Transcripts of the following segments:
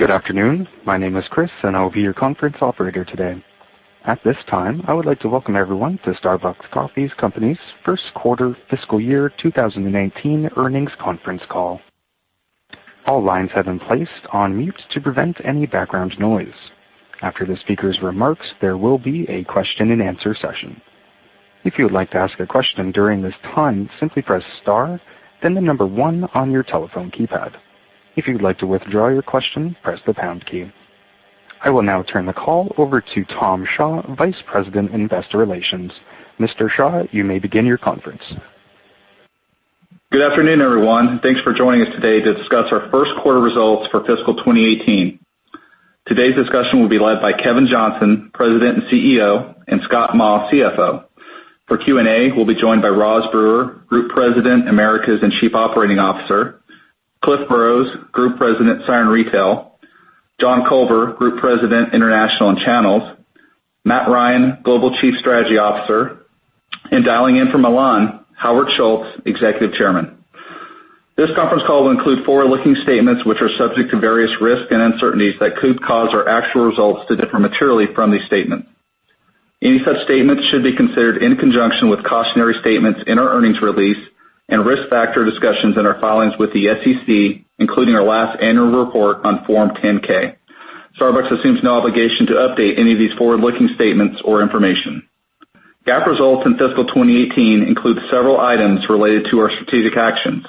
Good afternoon. My name is Chris, and I will be your conference operator today. At this time, I would like to welcome everyone to Starbucks Coffee Company's first quarter fiscal year 2018 earnings conference call. All lines have been placed on mute to prevent any background noise. After the speakers' remarks, there will be a question and answer session. If you would like to ask a question during this time, simply press star, then the number 1 on your telephone keypad. If you'd like to withdraw your question, press the pound key. I will now turn the call over to Tom Shaw, Vice President, Investor Relations. Mr. Shaw, you may begin your conference. Good afternoon, everyone. Thanks for joining us today to discuss our first quarter results for fiscal 2018. Today's discussion will be led by Kevin Johnson, President and CEO, and Scott Maw, CFO. For Q&A, we'll be joined by Roz Brewer, Group President, Americas and Chief Operating Officer, Cliff Burrows, Group President, Siren Retail, John Culver, Group President, International and Channels, Matt Ryan, Global Chief Strategy Officer, and dialing in from Milan, Howard Schultz, Executive Chairman. This conference call will include forward-looking statements which are subject to various risks and uncertainties that could cause our actual results to differ materially from these statements. Any such statements should be considered in conjunction with cautionary statements in our earnings release and risk factor discussions in our filings with the SEC, including our last annual report on Form 10-K. Starbucks assumes no obligation to update any of these forward-looking statements or information. GAAP results in fiscal 2018 include several items related to our strategic actions,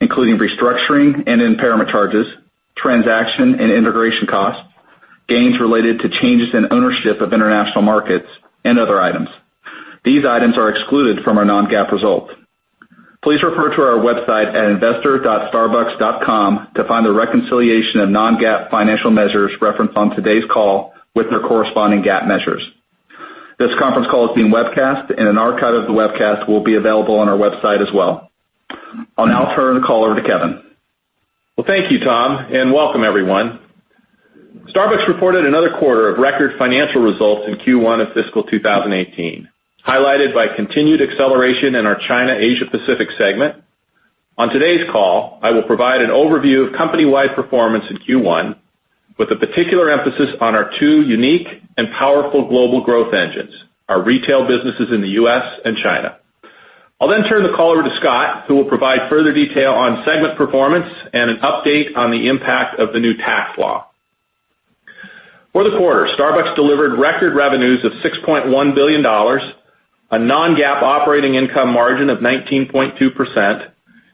including restructuring and impairment charges, transaction and integration costs, gains related to changes in ownership of international markets, and other items. These items are excluded from our non-GAAP results. Please refer to our website at investor.starbucks.com to find a reconciliation of non-GAAP financial measures referenced on today's call with their corresponding GAAP measures. This conference call is being webcast, and an archive of the webcast will be available on our website as well. I'll now turn the call over to Kevin. Well, thank you, Tom, and welcome everyone. Starbucks reported another quarter of record financial results in Q1 of fiscal 2018, highlighted by continued acceleration in our China Asia-Pacific segment. On today's call, I will provide an overview of company-wide performance in Q1 with a particular emphasis on our two unique and powerful global growth engines, our retail businesses in the U.S. and China. I'll then turn the call over to Scott, who will provide further detail on segment performance and an update on the impact of the new tax law. For the quarter, Starbucks delivered record revenues of $6.1 billion, a non-GAAP operating income margin of 19.2%,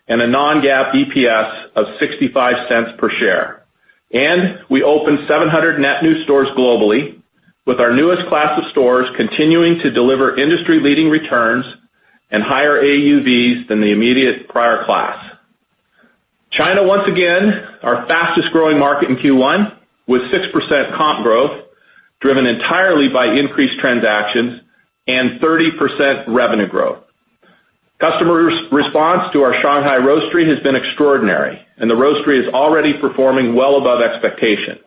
and a non-GAAP EPS of $0.65 per share. We opened 700 net new stores globally, with our newest class of stores continuing to deliver industry-leading returns and higher AUVs than the immediate prior class. China, once again, our fastest-growing market in Q1, with 6% comp growth driven entirely by increased transactions and 30% revenue growth. Customer response to our Shanghai Roastery has been extraordinary, and the Roastery is already performing well above expectation.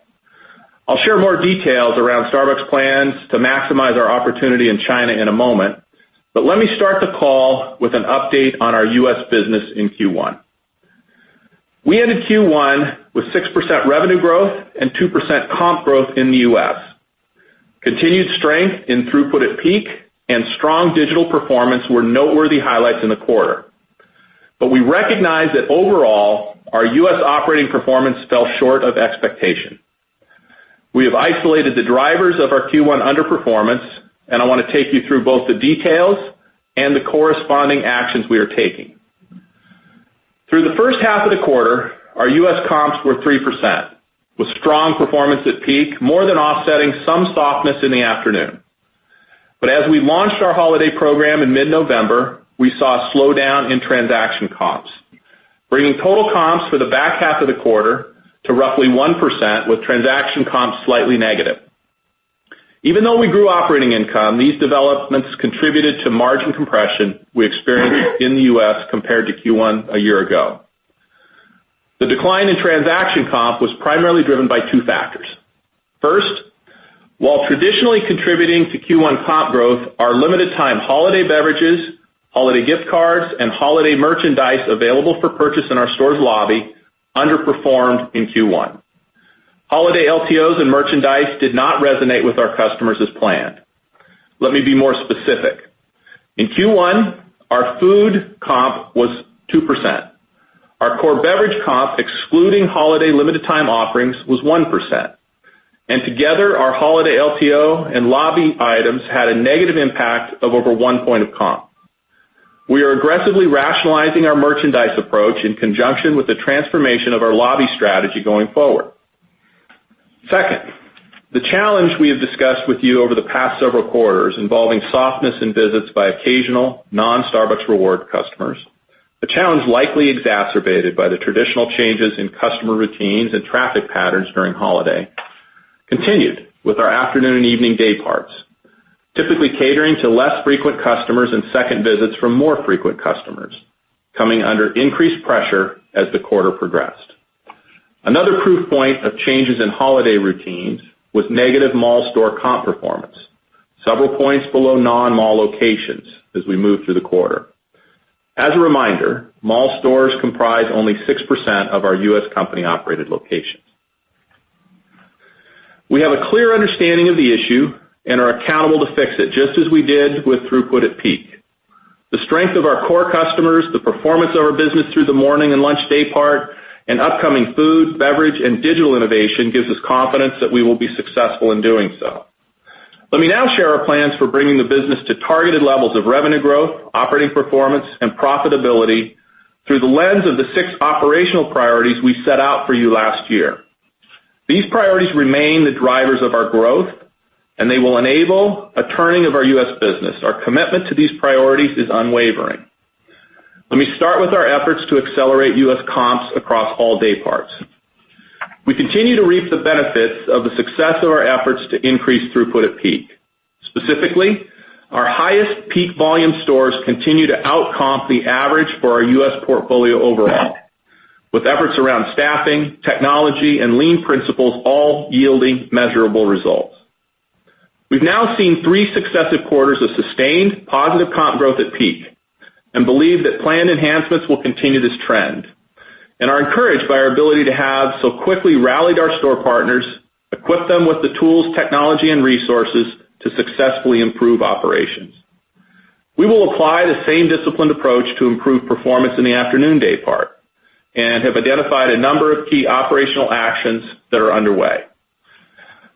I'll share more details around Starbucks plans to maximize our opportunity in China in a moment. Let me start the call with an update on our U.S. business in Q1. We ended Q1 with 6% revenue growth and 2% comp growth in the U.S. Continued strength in throughput at peak and strong digital performance were noteworthy highlights in the quarter. We recognize that overall, our U.S. operating performance fell short of expectation. We have isolated the drivers of our Q1 underperformance, and I want to take you through both the details and the corresponding actions we are taking. Through the first half of the quarter, our U.S. comps were 3%, with strong performance at peak, more than offsetting some softness in the afternoon. As we launched our holiday program in mid-November, we saw a slowdown in transaction comps, bringing total comps for the back half of the quarter to roughly 1% with transaction comps slightly negative. Even though we grew operating income, these developments contributed to margin compression we experienced in the U.S. compared to Q1 a year ago. The decline in transaction comp was primarily driven by two factors. First, while traditionally contributing to Q1 comp growth, our limited-time holiday beverages, holiday gift cards, and holiday merchandise available for purchase in our store's lobby underperformed in Q1. Holiday LTOs and merchandise did not resonate with our customers as planned. Let me be more specific. In Q1, our food comp was 2%. Our core beverage comp, excluding holiday limited time offerings, was 1%. Together, our holiday LTO and lobby items had a negative impact of over one point of comp. We are aggressively rationalizing our merchandise approach in conjunction with the transformation of our lobby strategy going forward. Second, the challenge we have discussed with you over the past several quarters involving softness in visits by occasional non-Starbucks Rewards customers. The challenge likely exacerbated by the traditional changes in customer routines and traffic patterns during holiday continued with our afternoon and evening day parts, typically catering to less frequent customers and second visits from more frequent customers coming under increased pressure as the quarter progressed. Another proof point of changes in holiday routines was negative mall store comp performance, several points below non-mall locations as we moved through the quarter. As a reminder, mall stores comprise only 6% of our U.S. company-operated locations. We have a clear understanding of the issue and are accountable to fix it, just as we did with throughput at peak. The strength of our core customers, the performance of our business through the morning and lunch day part, and upcoming food, beverage, and digital innovation gives us confidence that we will be successful in doing so. Let me now share our plans for bringing the business to targeted levels of revenue growth, operating performance, and profitability through the lens of the six operational priorities we set out for you last year. These priorities remain the drivers of our growth, and they will enable a turning of our U.S. business. Our commitment to these priorities is unwavering. Let me start with our efforts to accelerate U.S. comps across all day parts. We continue to reap the benefits of the success of our efforts to increase throughput at peak. Specifically, our highest peak volume stores continue to out-comp the average for our U.S. portfolio overall, with efforts around staffing, technology, and lean principles all yielding measurable results. We've now seen three successive quarters of sustained positive comp growth at peak and believe that planned enhancements will continue this trend and are encouraged by our ability to have so quickly rallied our store partners, equipped them with the tools, technology, and resources to successfully improve operations. We will apply the same disciplined approach to improve performance in the afternoon day part and have identified a number of key operational actions that are underway.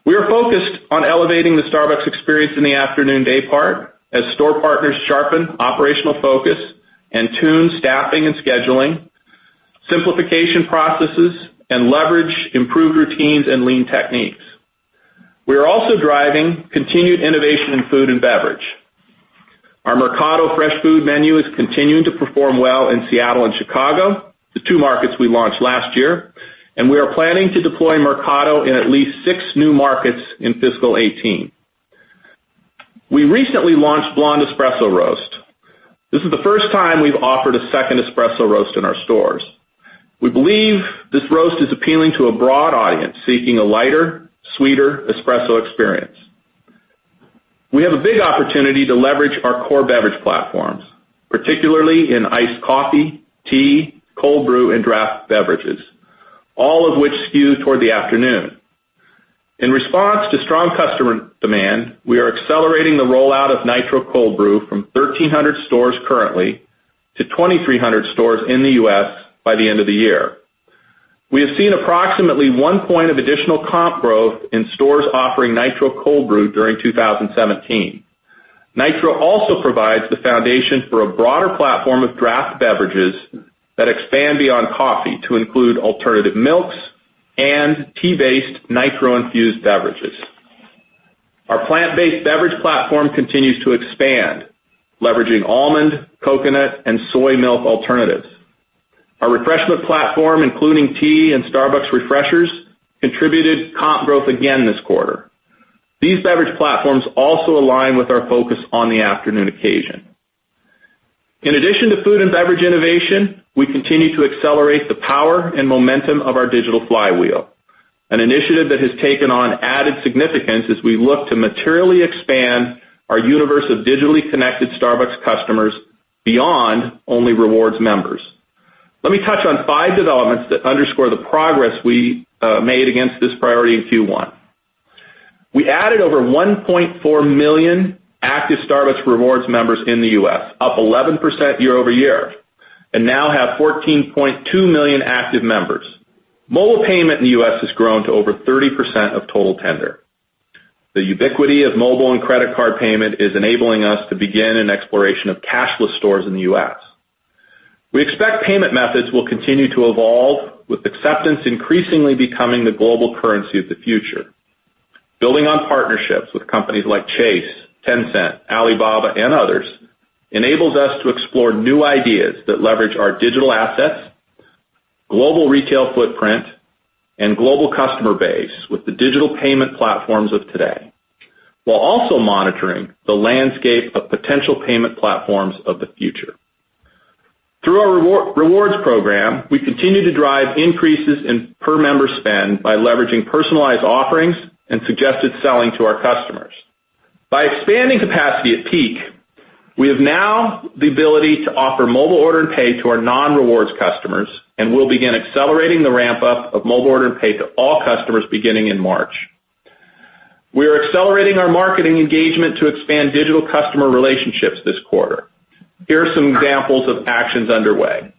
We are focused on elevating the Starbucks experience in the afternoon day part as store partners sharpen operational focus and tune staffing and scheduling, simplification processes, and leverage improved routines and lean techniques. We are also driving continued innovation in food and beverage. Our Mercato fresh food menu is continuing to perform well in Seattle and Chicago, the two markets we launched last year, and we are planning to deploy Mercato in at least six new markets in fiscal 2018. We recently launched Blonde Espresso Roast. This is the first time we've offered a second espresso roast in our stores. We believe this roast is appealing to a broad audience seeking a lighter, sweeter espresso experience. We have a big opportunity to leverage our core beverage platforms, particularly in iced coffee, tea, cold brew, and draft beverages, all of which skew toward the afternoon. In response to strong customer demand, we are accelerating the rollout of Nitro Cold Brew from 1,300 stores currently to 2,300 stores in the U.S. by the end of the year. We have seen approximately one point of additional comp growth in stores offering Nitro Cold Brew during 2017. Nitro also provides the foundation for a broader platform of draft beverages that expand beyond coffee to include alternative milks and tea-based nitro-infused beverages. Our plant-based beverage platform continues to expand, leveraging almond, coconut, and soy milk alternatives. Our refreshment platform, including tea and Starbucks Refreshers, contributed comp growth again this quarter. These beverage platforms also align with our focus on the afternoon occasion. In addition to food and beverage innovation, we continue to accelerate the power and momentum of our digital flywheel, an initiative that has taken on added significance as we look to materially expand our universe of digitally connected Starbucks customers beyond only rewards members. Let me touch on five developments that underscore the progress we made against this priority in Q1. We added over 1.4 million active Starbucks Rewards members in the U.S., up 11% year-over-year, and now have 14.2 million active members. Mobile payment in the U.S. has grown to over 30% of total tender. The ubiquity of mobile and credit card payment is enabling us to begin an exploration of cashless stores in the U.S. We expect payment methods will continue to evolve, with acceptance increasingly becoming the global currency of the future. Building on partnerships with companies like Chase, Tencent, Alibaba, and others, enables us to explore new ideas that leverage our digital assets, global retail footprint, and global customer base with the digital payment platforms of today, while also monitoring the landscape of potential payment platforms of the future. Through our Starbucks Rewards program, we continue to drive increases in per-member spend by leveraging personalized offerings and suggested selling to our customers. By expanding capacity at peak, we have now the ability to offer mobile order and pay to our non-Starbucks Rewards customers, and we'll begin accelerating the ramp-up of mobile order and pay to all customers beginning in March. We are accelerating our marketing engagement to expand digital customer relationships this quarter. Here are some examples of actions underway.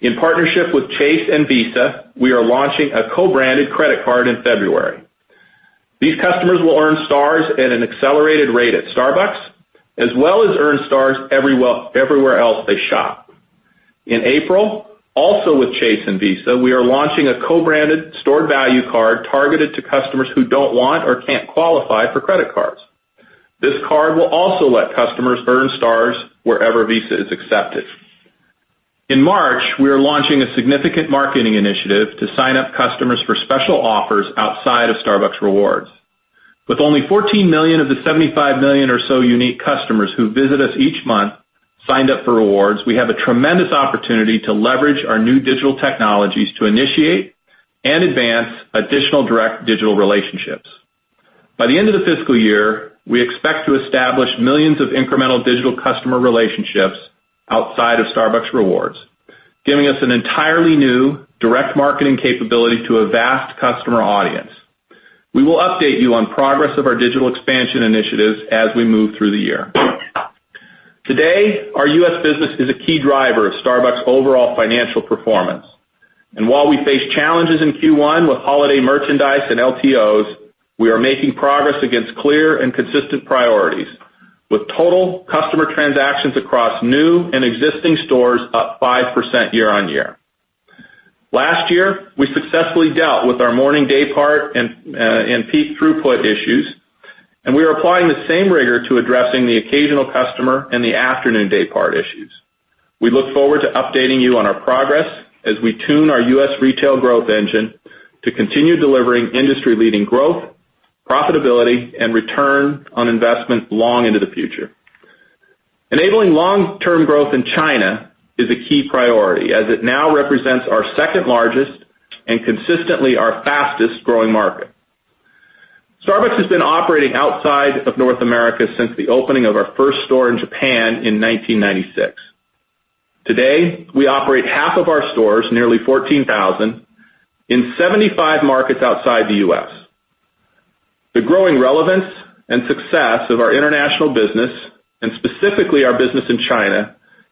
In partnership with Chase and Visa, we are launching a co-branded credit card in February. These customers will earn stars at an accelerated rate at Starbucks, as well as earn stars everywhere else they shop. In April, also with Chase and Visa, we are launching a co-branded stored value card targeted to customers who don't want or can't qualify for credit cards. This card will also let customers earn stars wherever Visa is accepted. In March, we are launching a significant marketing initiative to sign up customers for special offers outside of Starbucks Rewards. With only 14 million of the 75 million or so unique customers who visit us each month signed up for Starbucks Rewards, we have a tremendous opportunity to leverage our new digital technologies to initiate and advance additional direct digital relationships. By the end of the fiscal year, we expect to establish millions of incremental digital customer relationships outside of Starbucks Rewards, giving us an entirely new direct marketing capability to a vast customer audience. We will update you on progress of our digital expansion initiatives as we move through the year. Today, our U.S. business is a key driver of Starbucks' overall financial performance. While we face challenges in Q1 with holiday merchandise and LTOs, we are making progress against clear and consistent priorities with total customer transactions across new and existing stores up 5% year-over-year. Last year, we successfully dealt with our morning day part and peak throughput issues. We are applying the same rigor to addressing the occasional customer and the afternoon day part issues. We look forward to updating you on our progress as we tune our U.S. retail growth engine to continue delivering industry-leading growth, profitability, and return on investment long into the future. Enabling long-term growth in China is a key priority, as it now represents our second largest and consistently our fastest-growing market. Starbucks has been operating outside of North America since the opening of our first store in Japan in 1996. Today, we operate half of our stores, nearly 14,000, in 75 markets outside the U.S. The growing relevance and success of our international business, specifically our business in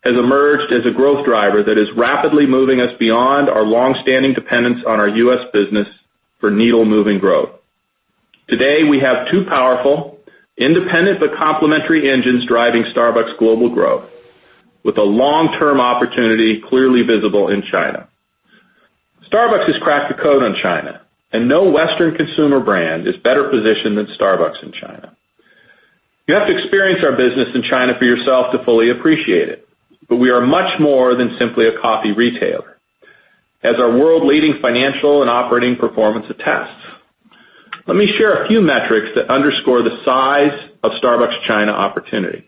China, has emerged as a growth driver that is rapidly moving us beyond our longstanding dependence on our U.S. business for needle-moving growth. Today, we have two powerful, independent, but complementary engines driving Starbucks' global growth with a long-term opportunity clearly visible in China. Starbucks has cracked the code on China, no Western consumer brand is better positioned than Starbucks in China. You have to experience our business in China for yourself to fully appreciate it, we are much more than simply a coffee retailer, as our world-leading financial and operating performance attest. Let me share a few metrics that underscore the size of Starbucks' China opportunity.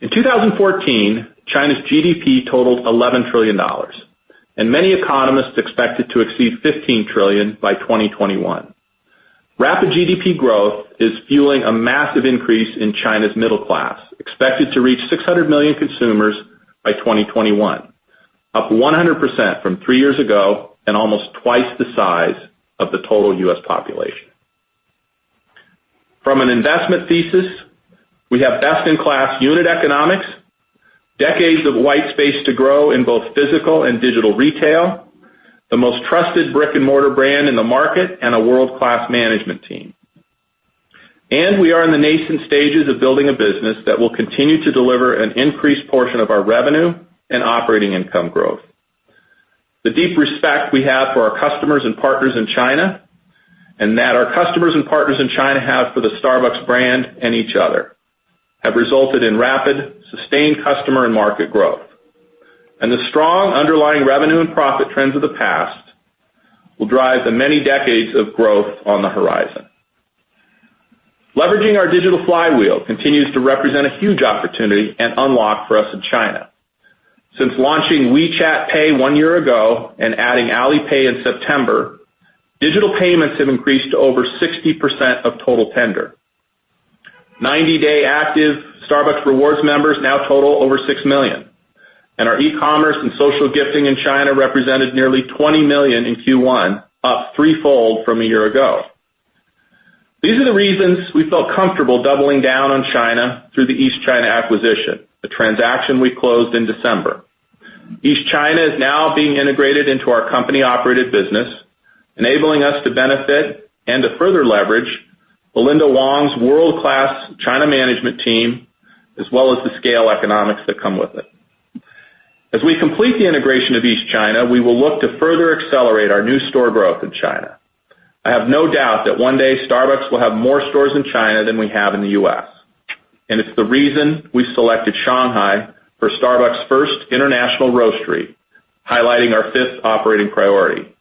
In 2014, China's GDP totaled $11 trillion, many economists expect it to exceed $15 trillion by 2021. Rapid GDP growth is fueling a massive increase in China's middle class, expected to reach 600 million consumers by 2021, up 100% from three years ago and almost twice the size of the total U.S. population. From an investment thesis, we have best-in-class unit economics, decades of white space to grow in both physical and digital retail, the most trusted brick-and-mortar brand in the market, and a world-class management team. We are in the nascent stages of building a business that will continue to deliver an increased portion of our revenue and operating income growth. The deep respect we have for our customers and partners in China, and that our customers and partners in China have for the Starbucks brand and each other, have resulted in rapid, sustained customer and market growth. The strong underlying revenue and profit trends of the past will drive the many decades of growth on the horizon. Leveraging our digital flywheel continues to represent a huge opportunity and unlock for us in China. Since launching WeChat Pay one year ago and adding Alipay in September, digital payments have increased to over 60% of total tender. Ninety-day active Starbucks Rewards members now total over six million, our e-commerce and social gifting in China represented nearly 20 million in Q1, up threefold from a year ago. These are the reasons we felt comfortable doubling down on China through the East China acquisition, the transaction we closed in December. East China is now being integrated into our company-operated business, enabling us to benefit and to further leverage Belinda Wong's world-class China management team, as well as the scale economics that come with it. As we complete the integration of East China, we will look to further accelerate our new store growth in China. I have no doubt that one day Starbucks will have more stores in China than we have in the U.S., it's the reason we selected Shanghai for Starbucks' first international roastery, highlighting our fifth operating priority,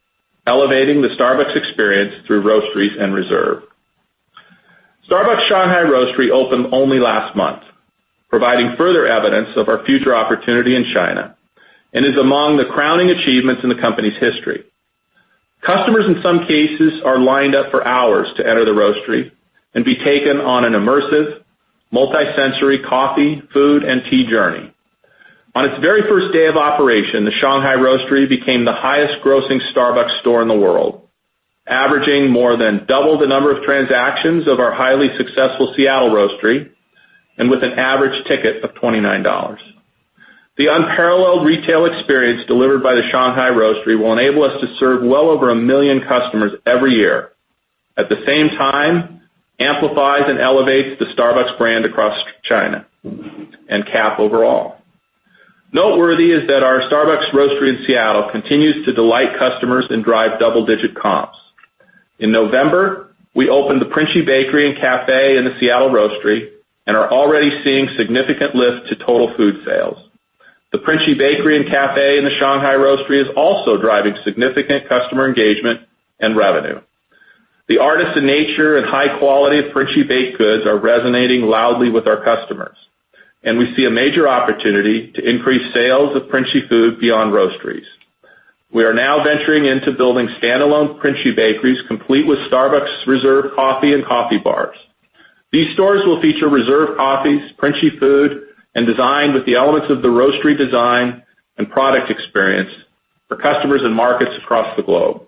elevating the Starbucks experience through roasteries and Reserve. Starbucks Shanghai Roastery opened only last month, providing further evidence of our future opportunity in China and is among the crowning achievements in the company's history. Customers in some cases are lined up for hours to enter the roastery and be taken on an immersive, multi-sensory coffee, food, and tea journey. On its very first day of operation, the Shanghai Roastery became the highest-grossing Starbucks store in the world, averaging more than double the number of transactions of our highly successful Seattle Roastery and with an average ticket of $29. The unparalleled retail experience delivered by the Shanghai Roastery will enable us to serve well over 1 million customers every year, at the same time amplifies and elevates the Starbucks brand across China and CAP overall. Noteworthy is that our Starbucks Roastery in Seattle continues to delight customers and drive double-digit comps. In November, we opened the Princi bakery and café in the Seattle Roastery and are already seeing significant lift to total food sales. The Princi bakery and café in the Shanghai Roastery is also driving significant customer engagement and revenue. The artisan nature and high quality of Princi baked goods are resonating loudly with our customers, and we see a major opportunity to increase sales of Princi food beyond Roasteries. We are now venturing into building standalone Princi bakeries complete with Starbucks Reserve coffee and coffee bars. These stores will feature Reserve coffees, Princi food, and design with the elements of the Roastery design and product experience for customers in markets across the globe.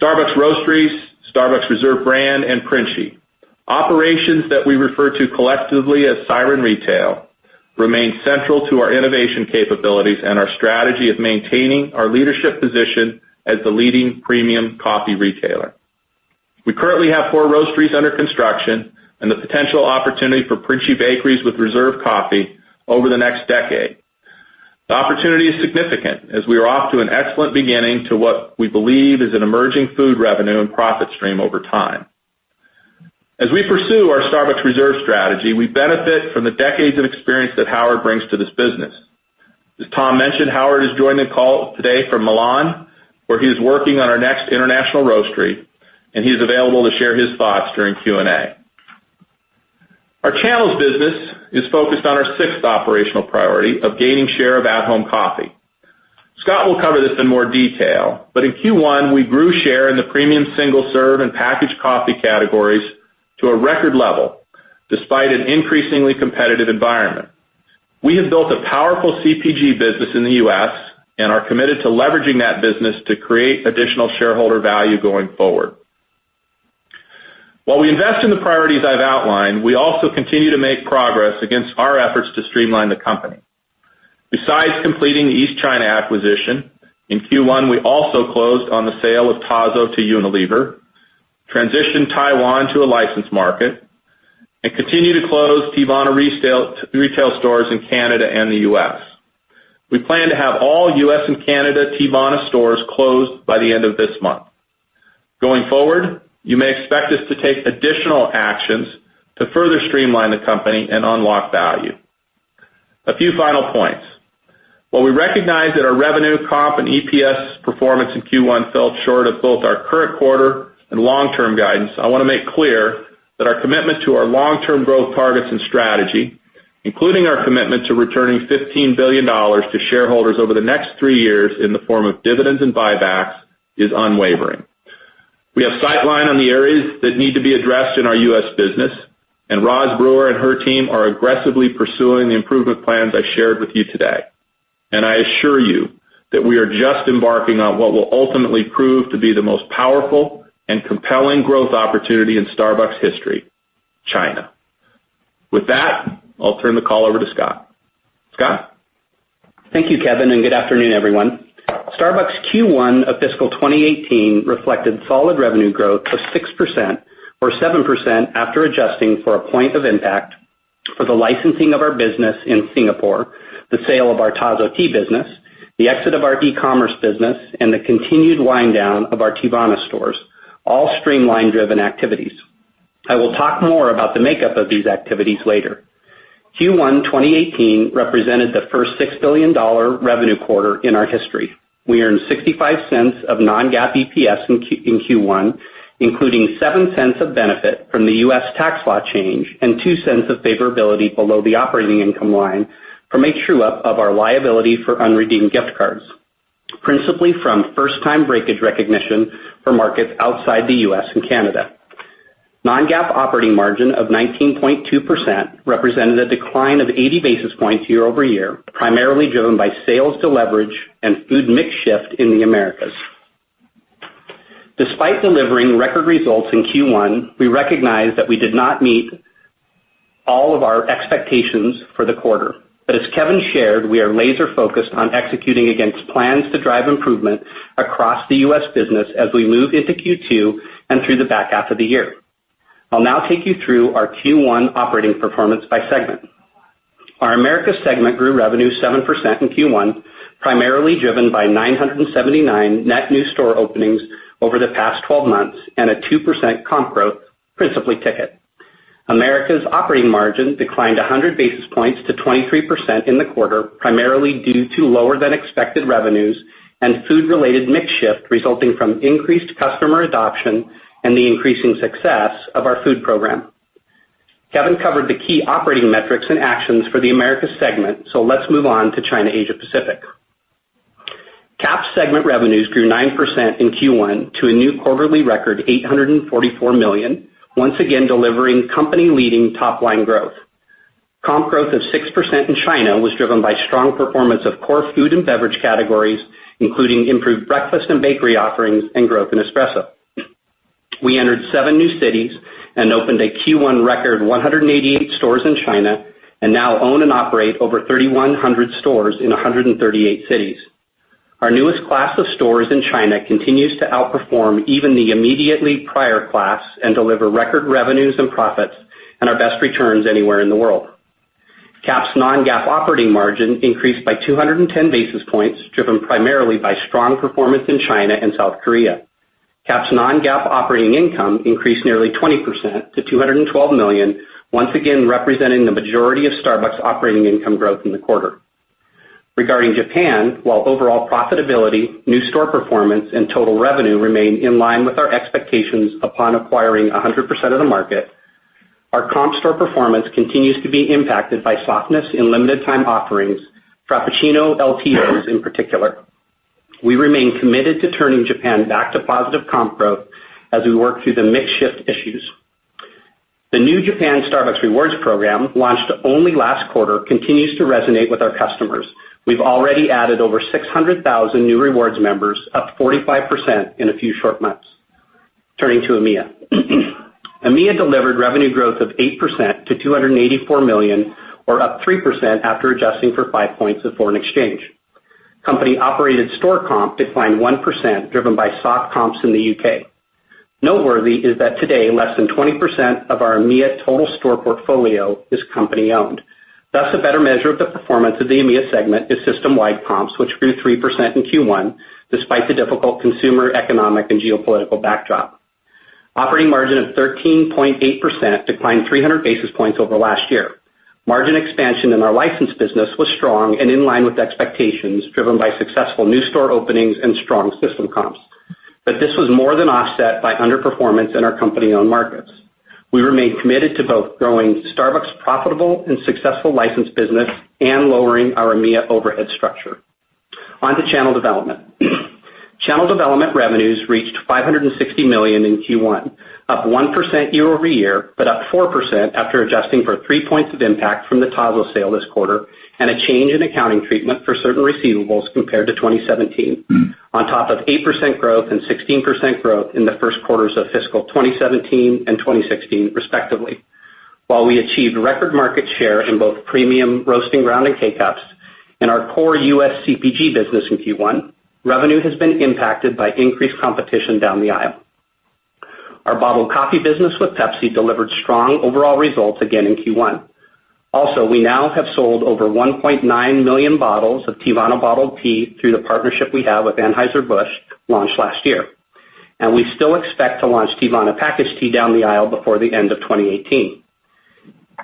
Starbucks Roasteries, Starbucks Reserve brand, and Princi, operations that we refer to collectively as Siren Retail, remain central to our innovation capabilities and our strategy of maintaining our leadership position as the leading premium coffee retailer. We currently have 4 Roasteries under construction and the potential opportunity for Princi bakeries with Reserve coffee over the next decade. The opportunity is significant as we are off to an excellent beginning to what we believe is an emerging food revenue and profit stream over time. As we pursue our Starbucks Reserve strategy, we benefit from the decades of experience that Howard brings to this business. As Tom mentioned, Howard is joining the call today from Milan, where he is working on our next international Roastery, and he is available to share his thoughts during Q&A. Our channels business is focused on our sixth operational priority of gaining share of at-home coffee. Scott will cover this in more detail, but in Q1, we grew share in the premium single-serve and packaged coffee categories to a record level, despite an increasingly competitive environment. We have built a powerful CPG business in the U.S. and are committed to leveraging that business to create additional shareholder value going forward. While we invest in the priorities I've outlined, we also continue to make progress against our efforts to streamline the company. Besides completing the East China acquisition, in Q1, we also closed on the sale of Tazo to Unilever, transitioned Taiwan to a licensed market, and continue to close Teavana retail stores in Canada and the U.S. We plan to have all U.S. and Canada Teavana stores closed by the end of this month. Going forward, you may expect us to take additional actions to further streamline the company and unlock value. A few final points. While we recognize that our revenue comp and EPS performance in Q1 fell short of both our current quarter and long-term guidance, I want to make clear that our commitment to our long-term growth targets and strategy, including our commitment to returning $15 billion to shareholders over the next three years in the form of dividends and buybacks, is unwavering. We have sightline on the areas that need to be addressed in our U.S. business. Roz Brewer and her team are aggressively pursuing the improvement plans I shared with you today. I assure you that we are just embarking on what will ultimately prove to be the most powerful and compelling growth opportunity in Starbucks history: China. With that, I'll turn the call over to Scott. Scott? Thank you, Kevin, and good afternoon, everyone. Starbucks Q1 of fiscal 2018 reflected solid revenue growth of 6%, or 7% after adjusting for a point of impact for the licensing of our business in Singapore, the sale of our Tazo tea business, the exit of our e-commerce business, and the continued wind-down of our Teavana stores, all streamline-driven activities. I will talk more about the makeup of these activities later. Q1 2018 represented the first $6 billion revenue quarter in our history. We earned $0.65 of non-GAAP EPS in Q1, including $0.07 of benefit from the U.S. tax law change and $0.02 of favorability below the operating income line from a true-up of our liability for unredeemed gift cards, principally from first-time breakage recognition for markets outside the U.S. and Canada. Non-GAAP operating margin of 19.2% represented a decline of 80 basis points year over year, primarily driven by sales deleverage and food mix shift in the Americas. Despite delivering record results in Q1, we recognize that we did not meet all of our expectations for the quarter. As Kevin shared, we are laser-focused on executing against plans to drive improvement across the U.S. business as we move into Q2 and through the back half of the year. I'll now take you through our Q1 operating performance by segment. Our Americas segment grew revenue 7% in Q1, primarily driven by 979 net new store openings over the past 12 months and a 2% comp growth, principally ticket. Americas operating margin declined 100 basis points to 23% in the quarter, primarily due to lower-than-expected revenues and food-related mix shift resulting from increased customer adoption and the increasing success of our food program. Kevin covered the key operating metrics and actions for the Americas segment, let's move on to China/Asia Pacific. CAP's segment revenues grew 9% in Q1 to a new quarterly record $844 million, once again delivering company-leading top-line growth. Comp growth of 6% in China was driven by strong performance of core food and beverage categories, including improved breakfast and bakery offerings and growth in espresso. We entered seven new cities and opened a Q1 record 188 stores in China and now own and operate over 3,100 stores in 138 cities. Our newest class of stores in China continues to outperform even the immediately prior class and deliver record revenues and profits and our best returns anywhere in the world. CAP's non-GAAP operating margin increased by 210 basis points, driven primarily by strong performance in China and South Korea. CAP's non-GAAP operating income increased nearly 20% to $212 million, once again representing the majority of Starbucks operating income growth in the quarter. Regarding Japan, while overall profitability, new store performance, and total revenue remain in line with our expectations upon acquiring 100% of the market Our comp store performance continues to be impacted by softness in limited time offerings, Frappuccino LTOs in particular. We remain committed to turning Japan back to positive comp growth as we work through the mix shift issues. The new Japan Starbucks Rewards program, launched only last quarter, continues to resonate with our customers. We've already added over 600,000 new rewards members, up 45% in a few short months. Turning to EMEA. EMEA delivered revenue growth of 8% to $284 million, or up 3% after adjusting for five points of foreign exchange. Company-operated store comp declined 1%, driven by soft comps in the U.K. Noteworthy is that today less than 20% of our EMEA total store portfolio is company-owned. Thus, a better measure of the performance of the EMEA segment is system-wide comps, which grew 3% in Q1 despite the difficult consumer, economic, and geopolitical backdrop. Operating margin of 13.8% declined 300 basis points over last year. Margin expansion in our licensed business was strong and in line with expectations, driven by successful new store openings and strong system comps. This was more than offset by underperformance in our company-owned markets. We remain committed to both growing Starbucks' profitable and successful licensed business and lowering our EMEA overhead structure. On to channel development. Channel development revenues reached $560 million in Q1, up 1% year-over-year, but up 4% after adjusting for three points of impact from the Tazo sale this quarter and a change in accounting treatment for certain receivables compared to 2017, on top of 8% growth and 16% growth in the first quarters of fiscal 2017 and 2016, respectively. While we achieved record market share in both premium, roast and ground, and K-Cups, and our core U.S. CPG business in Q1, revenue has been impacted by increased competition down the aisle. Our bottled coffee business with Pepsi delivered strong overall results again in Q1. Also, we now have sold over 1.9 million bottles of Teavana bottled tea through the partnership we have with Anheuser-Busch, launched last year. We still expect to launch Teavana packaged tea down the aisle before the end of 2018.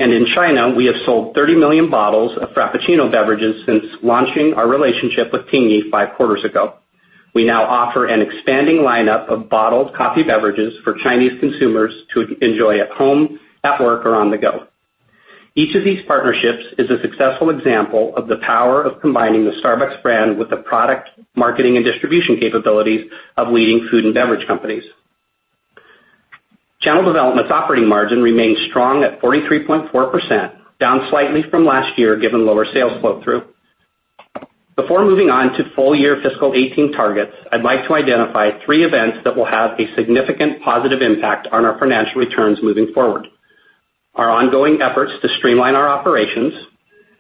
In China, we have sold 30 million bottles of Frappuccino beverages since launching our relationship with Tingyi five quarters ago. We now offer an expanding lineup of bottled coffee beverages for Chinese consumers to enjoy at home, at work, or on the go. Each of these partnerships is a successful example of the power of combining the Starbucks brand with the product, marketing, and distribution capabilities of leading food and beverage companies. Channel development's operating margin remained strong at 43.4%, down slightly from last year given lower sales flow-through. Before moving on to full-year fiscal 2018 targets, I'd like to identify three events that will have a significant positive impact on our financial returns moving forward. Our ongoing efforts to streamline our operations,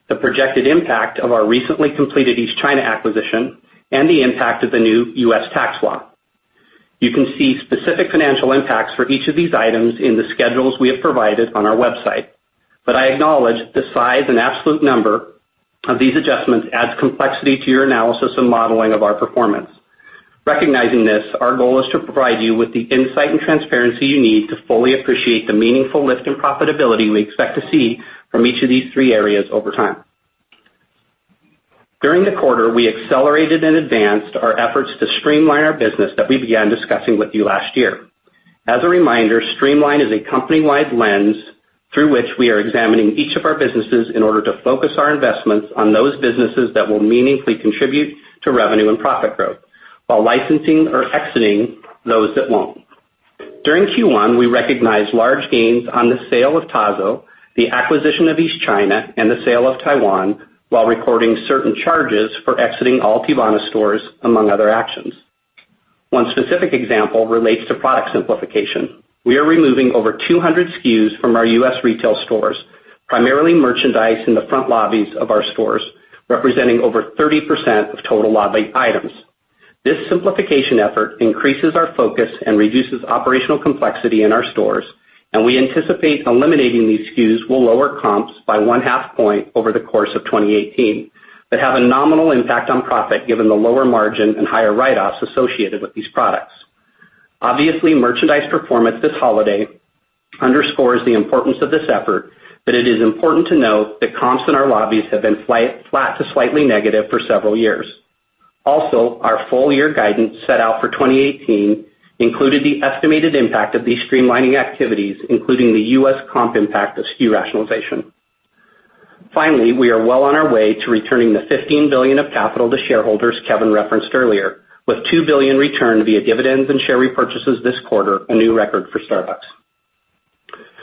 the projected impact of our recently completed East China acquisition, and the impact of the new U.S. tax law. You can see specific financial impacts for each of these items in the schedules we have provided on our website. I acknowledge the size and absolute number of these adjustments adds complexity to your analysis and modeling of our performance. Recognizing this, our goal is to provide you with the insight and transparency you need to fully appreciate the meaningful lift in profitability we expect to see from each of these three areas over time. During the quarter, we accelerated and advanced our efforts to streamline our business that we began discussing with you last year. As a reminder, streamline is a company-wide lens through which we are examining each of our businesses in order to focus our investments on those businesses that will meaningfully contribute to revenue and profit growth, while licensing or exiting those that won't. During Q1, we recognized large gains on the sale of Tazo, the acquisition of East China, and the sale of Taiwan, while recording certain charges for exiting all Teavana stores, among other actions. One specific example relates to product simplification. We are removing over 200 SKUs from our U.S. retail stores, primarily merchandise in the front lobbies of our stores, representing over 30% of total lobby items. This simplification effort increases our focus and reduces operational complexity in our stores. We anticipate eliminating these SKUs will lower comps by one-half point over the course of 2018, have a nominal impact on profit given the lower margin and higher write-offs associated with these products. Obviously, merchandise performance this holiday underscores the importance of this effort. It is important to note that comps in our lobbies have been flat to slightly negative for several years. Our full-year guidance set out for 2018 included the estimated impact of these streamlining activities, including the U.S. comp impact of SKU rationalization. Finally, we are well on our way to returning the $15 billion of capital to shareholders Kevin referenced earlier, with $2 billion returned via dividends and share repurchases this quarter, a new record for Starbucks.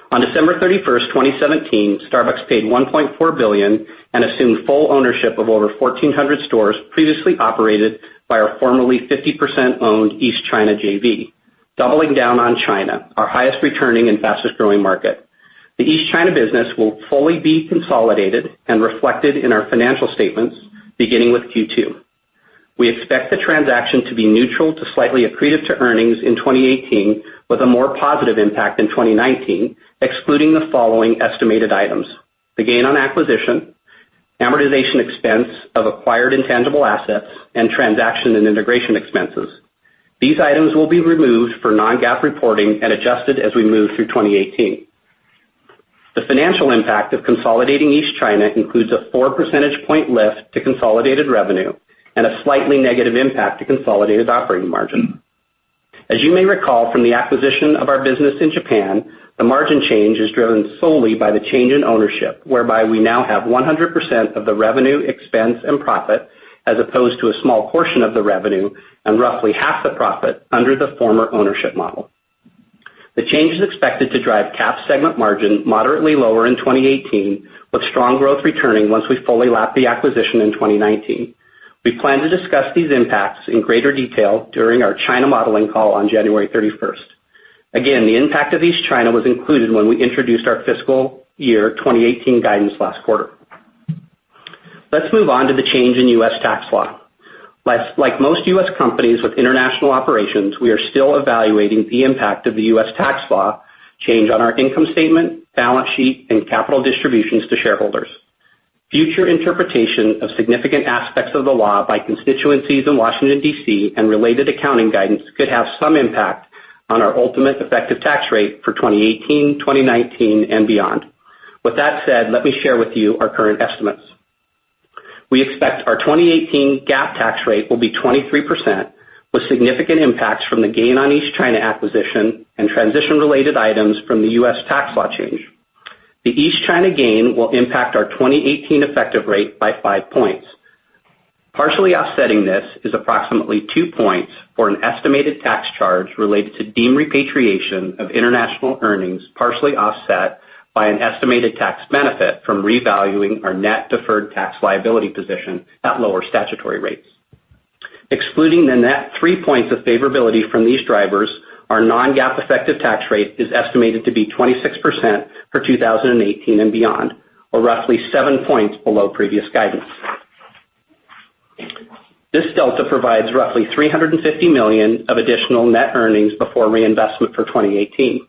On December 31st, 2017, Starbucks paid $1.4 billion and assumed full ownership of over 1,400 stores previously operated by our formerly 50%-owned East China JV, doubling down on China, our highest returning and fastest-growing market. The East China business will fully be consolidated and reflected in our financial statements beginning with Q2. We expect the transaction to be neutral to slightly accretive to earnings in 2018, with a more positive impact in 2019, excluding the following estimated items, the gain on acquisition, amortization expense of acquired intangible assets, and transaction and integration expenses. These items will be removed for non-GAAP reporting and adjusted as we move through 2018. The financial impact of consolidating East China includes a four percentage point lift to consolidated revenue and a slightly negative impact to consolidated operating margin. As you may recall from the acquisition of our business in Japan, the margin change is driven solely by the change in ownership, whereby we now have 100% of the revenue, expense, and profit, as opposed to a small portion of the revenue and roughly half the profit under the former ownership model. The change is expected to drive CAP segment margin moderately lower in 2018, with strong growth returning once we fully lap the acquisition in 2019. We plan to discuss these impacts in greater detail during our China modeling call on January 31st. Again, the impact of East China was included when we introduced our fiscal year 2018 guidance last quarter. Let's move on to the change in U.S. tax law. Like most U.S. companies with international operations, we are still evaluating the impact of the U.S. tax law change on our income statement, balance sheet, and capital distributions to shareholders. Future interpretation of significant aspects of the law by constituencies in Washington, D.C., and related accounting guidance could have some impact on our ultimate effective tax rate for 2018, 2019, and beyond. With that said, let me share with you our current estimates. We expect our 2018 GAAP tax rate will be 23%, with significant impacts from the gain on East China acquisition and transition-related items from the U.S. tax law change. The East China gain will impact our 2018 effective rate by five points. Partially offsetting this is approximately two points for an estimated tax charge related to deemed repatriation of international earnings, partially offset by an estimated tax benefit from revaluing our net deferred tax liability position at lower statutory rates. Excluding the net three points of favorability from these drivers, our non-GAAP effective tax rate is estimated to be 26% for 2018 and beyond, or roughly seven points below previous guidance. This delta provides roughly $350 million of additional net earnings before reinvestment for 2018.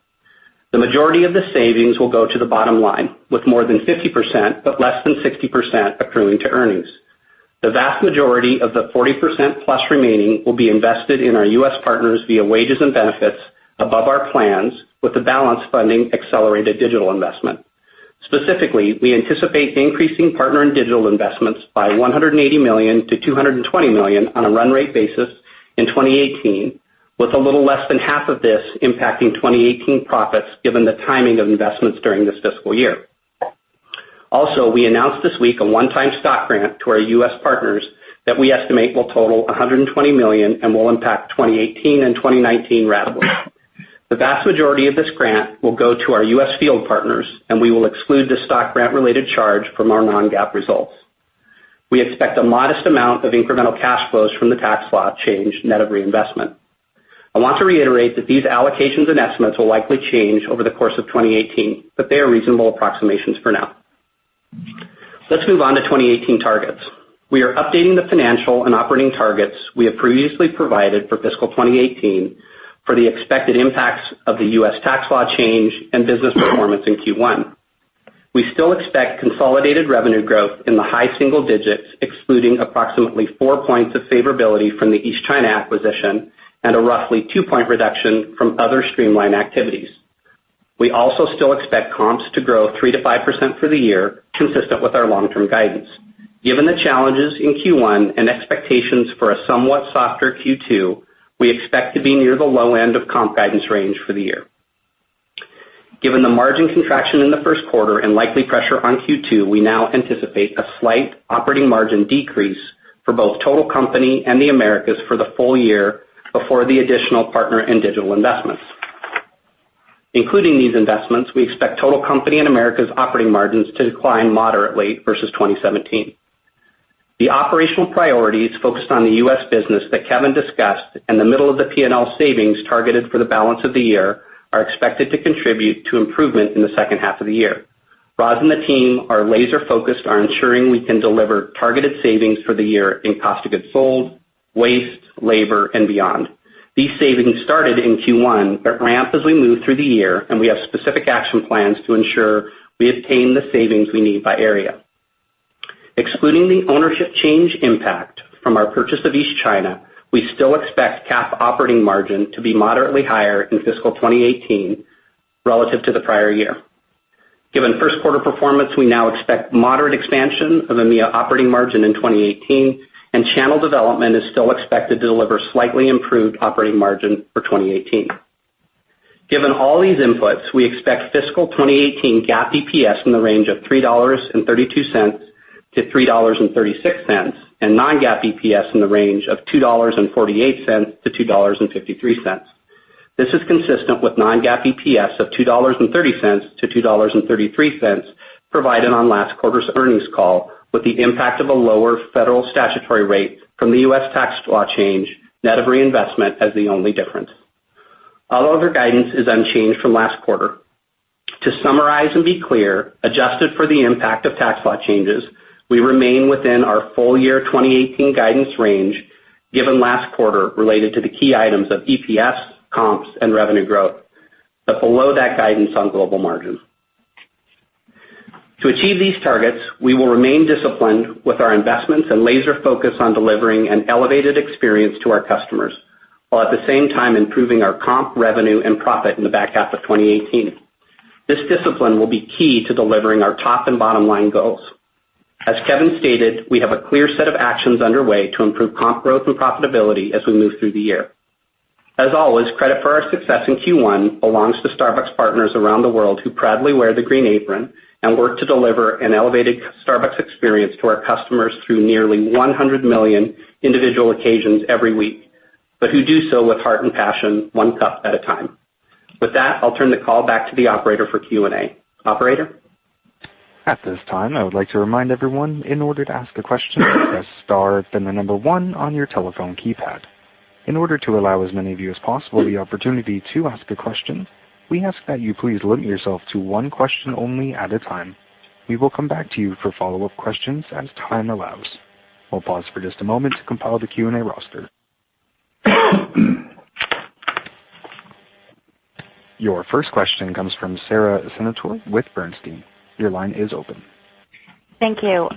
The majority of the savings will go to the bottom line, with more than 50%, but less than 60% accruing to earnings. The vast majority of the 40% plus remaining will be invested in our U.S. partners via wages and benefits above our plans, with the balance funding accelerated digital investment. Specifically, we anticipate increasing partner and digital investments by $180 million-$220 million on a run rate basis in 2018, with a little less than half of this impacting 2018 profits, given the timing of investments during this fiscal year. Also, we announced this week a one-time stock grant to our U.S. partners that we estimate will total $120 million and will impact 2018 and 2019 ratables. The vast majority of this grant will go to our U.S. field partners, and we will exclude the stock grant-related charge from our non-GAAP results. We expect a modest amount of incremental cash flows from the tax law change, net of reinvestment. I want to reiterate that these allocations and estimates will likely change over the course of 2018, but they are reasonable approximations for now. Let's move on to 2018 targets. We are updating the financial and operating targets we have previously provided for fiscal 2018 for the expected impacts of the U.S. tax law change and business performance in Q1. We still expect consolidated revenue growth in the high single digits, excluding approximately 4 points of favorability from the East China acquisition and a roughly 2-point reduction from other streamline activities. We also still expect comps to grow 3%-5% for the year, consistent with our long-term guidance. Given the challenges in Q1 and expectations for a somewhat softer Q2, we expect to be near the low end of comp guidance range for the year. Given the margin contraction in the first quarter and likely pressure on Q2, we now anticipate a slight operating margin decrease for both total company and the Americas for the full year before the additional partner and digital investments. Including these investments, we expect total company and Americas operating margins to decline moderately versus 2017. The operational priorities focused on the U.S. business that Kevin discussed and the middle of the P&L savings targeted for the balance of the year are expected to contribute to improvements in the second half of the year. Roz and the team are laser-focused on ensuring we can deliver targeted savings for the year in cost of goods sold, waste, labor, and beyond. These savings started in Q1 but ramp as we move through the year. We have specific action plans to ensure we obtain the savings we need by area. Excluding the ownership change impact from our purchase of East China, we still expect CAP operating margin to be moderately higher in fiscal 2018 relative to the prior year. Given first quarter performance, we now expect moderate expansion of EMEA operating margin in 2018. Channel development is still expected to deliver slightly improved operating margin for 2018. Given all these inputs, we expect fiscal 2018 GAAP EPS in the range of $3.32-$3.36. Non-GAAP EPS in the range of $2.48-$2.53. This is consistent with non-GAAP EPS of $2.30-$2.33 provided on last quarter's earnings call, with the impact of a lower federal statutory rate from the U.S. tax law change, net of reinvestment, as the only difference. All other guidance is unchanged from last quarter. To summarize and be clear, adjusted for the impact of tax law changes, we remain within our full-year 2018 guidance range, given last quarter related to the key items of EPS, comps, and revenue growth, but below that guidance on global margin. To achieve these targets, we will remain disciplined with our investments and laser-focused on delivering an elevated experience to our customers, while at the same time improving our comp revenue and profit in the back half of 2018. This discipline will be key to delivering our top and bottom line goals. As Kevin stated, we have a clear set of actions underway to improve comp growth and profitability as we move through the year. As always, credit for our success in Q1 belongs to Starbucks partners around the world who proudly wear the green apron and work to deliver an elevated Starbucks experience to our customers through nearly 100 million individual occasions every week, but who do so with heart and passion one cup at a time. With that, I'll turn the call back to the operator for Q&A. Operator? At this time, I would like to remind everyone, in order to ask a question, press star, then the number one on your telephone keypad. In order to allow as many of you as possible the opportunity to ask a question, we ask that you please limit yourself to one question only at a time. We will come back to you for follow-up questions as time allows. We will pause for just a moment to compile the Q&A roster. Your first question comes from Sara Senatore with Bernstein. Your line is open. Thank you.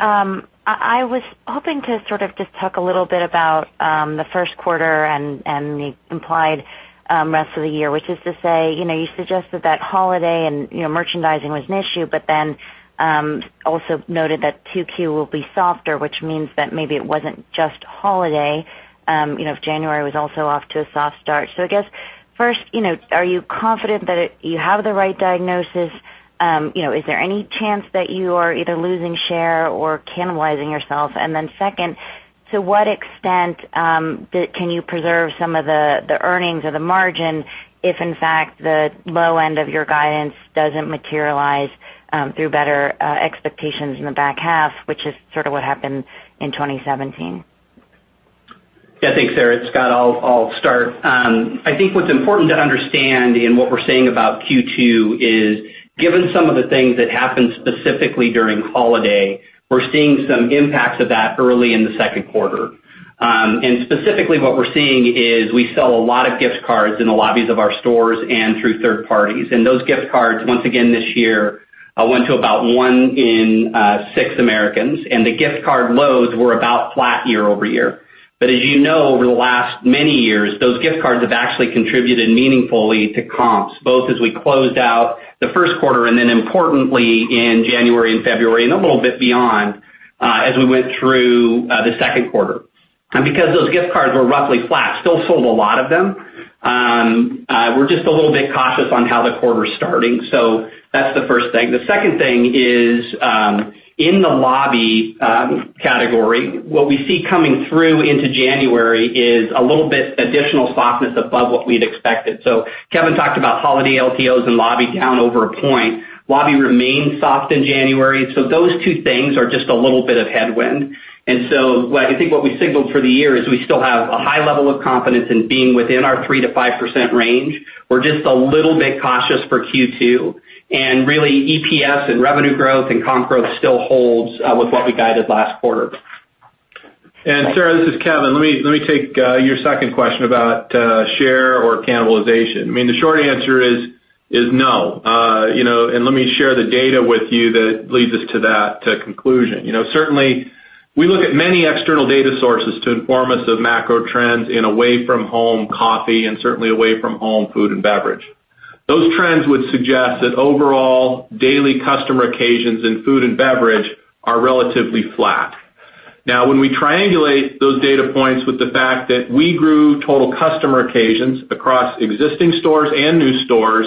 I was hoping to sort of just talk a little bit about the first quarter and the implied rest of the year, which is to say, you suggested that holiday and merchandising was an issue. Also noted that 2Q will be softer, which means that maybe it wasn't just holiday, if January was also off to a soft start. I guess first, are you confident that you have the right diagnosis? Is there any chance that you are either losing share or cannibalizing yourself? Then second, to what extent can you preserve some of the earnings or the margin if in fact, the low end of your guidance doesn't materialize through better expectations in the back half, which is sort of what happened in 2017? Yeah. Thanks, Sara. It's Scott. I will start. I think what's important to understand in what we're saying about Q2 is, given some of the things that happened specifically during holiday, we're seeing some impacts of that early in the second quarter. Specifically what we're seeing is we sell a lot of gift cards in the lobbies of our stores and through third parties. Those gift cards, once again this year, went to about one in six Americans, and the gift card loads were about flat year-over-year. As you know, over the last many years, those gift cards have actually contributed meaningfully to comps, both as we closed out the first quarter and then importantly in January and February and a little bit beyond, as we went through the second quarter. Because those gift cards were roughly flat, still sold a lot of them, we're just a little bit cautious on how the quarter's starting. That's the first thing. The second thing is, in the lobby category, what we see coming through into January is a little bit additional softness above what we'd expected. Kevin talked about holiday LTOs and lobby down over a point. Lobby remained soft in January. Those two things are just a little bit of headwind. I think what we signaled for the year is we still have a high level of confidence in being within our 3%-5% range. We're just a little bit cautious for Q2. Really EPS and revenue growth and comp growth still holds with what we guided last quarter. Sara, this is Kevin. Let me take your second question about share or cannibalization. I mean, the short answer is no. Let me share the data with you that leads us to that conclusion. Certainly, we look at many external data sources to inform us of macro trends in away-from-home coffee and certainly away-from-home food and beverage. Those trends would suggest that overall, daily customer occasions in food and beverage are relatively flat. When we triangulate those data points with the fact that we grew total customer occasions across existing stores and new stores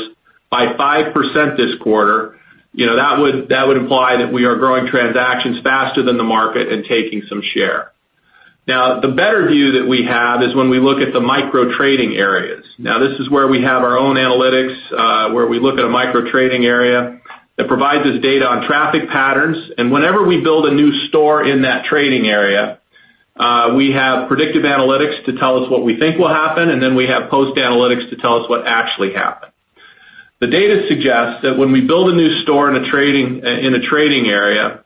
by 5% this quarter, that would imply that we are growing transactions faster than the market and taking some share. The better view that we have is when we look at the micro trading areas. This is where we have our own analytics, where we look at a micro trading area that provides us data on traffic patterns. Whenever we build a new store in that trading area, we have predictive analytics to tell us what we think will happen, then we have post analytics to tell us what actually happened. The data suggests that when we build a new store in a trading area,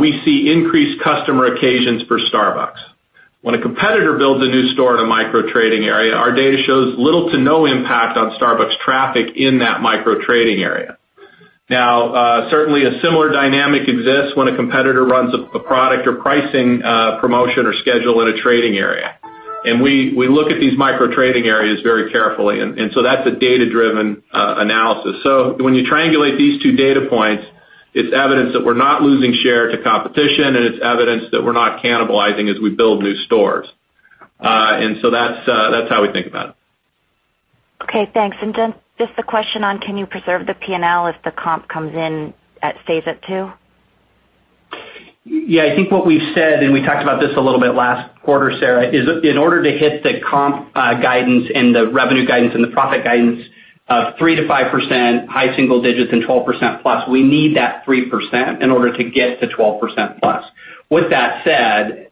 we see increased customer occasions for Starbucks. When a competitor builds a new store in a micro trading area, our data shows little to no impact on Starbucks traffic in that micro trading area. Certainly a similar dynamic exists when a competitor runs a product or pricing promotion or schedule in a trading area. We look at these micro trading areas very carefully, that's a data-driven analysis. When you triangulate these two data points, it's evidence that we're not losing share to competition, and it's evidence that we're not cannibalizing as we build new stores. That's how we think about it. Thanks. Then just a question on can you preserve the P&L if the comp comes in at stays at two? I think what we've said, and we talked about this a little bit last quarter, Sara, is in order to hit the comp guidance and the revenue guidance and the profit guidance of 3%-5%, high single digits and 12% plus, we need that 3% in order to get to 12% plus. With that said,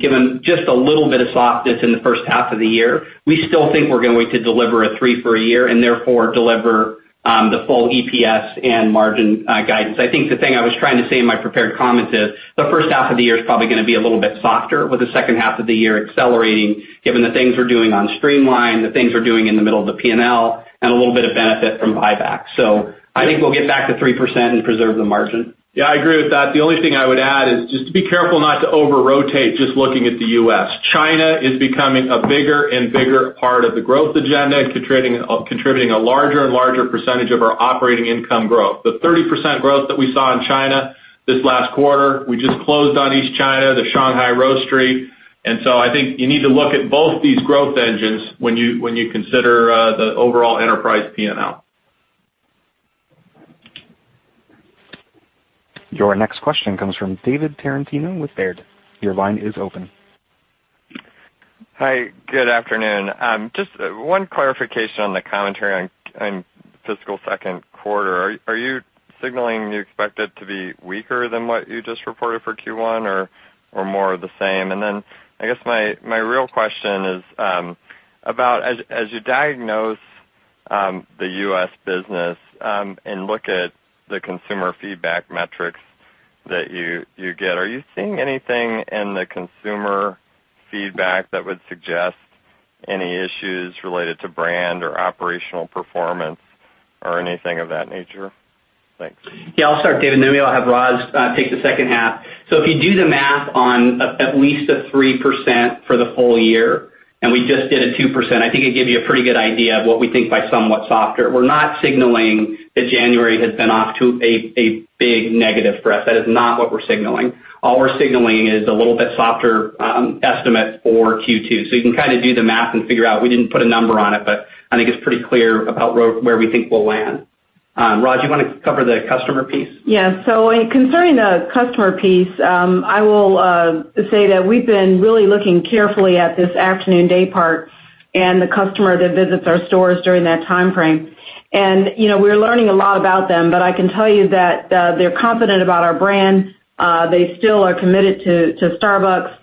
given just a little bit of softness in the first half of the year, we still think we're going to deliver a 3% for a year and therefore deliver the full EPS and margin guidance. I think the thing I was trying to say in my prepared comments is the first half of the year is probably going to be a little bit softer, with the second half of the year accelerating given the things we're doing on streamline, the things we're doing in the middle of the P&L, and a little bit of benefit from buyback. I think we'll get back to 3% and preserve the margin. I agree with that. The only thing I would add is just to be careful not to over-rotate, just looking at the U.S. China is becoming a bigger and bigger part of the growth agenda, contributing a larger and larger percentage of our operating income growth. The 30% growth that we saw in China this last quarter, we just closed on East China, the Shanghai Roastery. I think you need to look at both these growth engines when you consider the overall enterprise P&L. Your next question comes from David Tarantino with Baird. Your line is open. Hi, good afternoon. Just one clarification on the commentary on fiscal second quarter. Are you signaling you expect it to be weaker than what you just reported for Q1 or more of the same? Then I guess my real question is about as you diagnose the U.S. business, look at the consumer feedback metrics that you get, are you seeing anything in the consumer feedback that would suggest any issues related to brand or operational performance or anything of that nature? Thanks. Yeah, I'll start, David, then maybe I'll have Roz take the second half. If you do the math on at least a 3% for the whole year, we just did a 2%, I think it'd give you a pretty good idea of what we think by somewhat softer. We're not signaling that January has been off to a big negative for us. That is not what we're signaling. All we're signaling is a little bit softer estimate for Q2. You can kind of do the math and figure out. We didn't put a number on it, I think it's pretty clear about where we think we'll land. Roz, you want to cover the customer piece? Yeah. Concerning the customer piece, I will say that we've been really looking carefully at this afternoon day part and the customer that visits our stores during that timeframe. We're learning a lot about them, I can tell you that they're confident about our brand. They still are committed to Starbucks.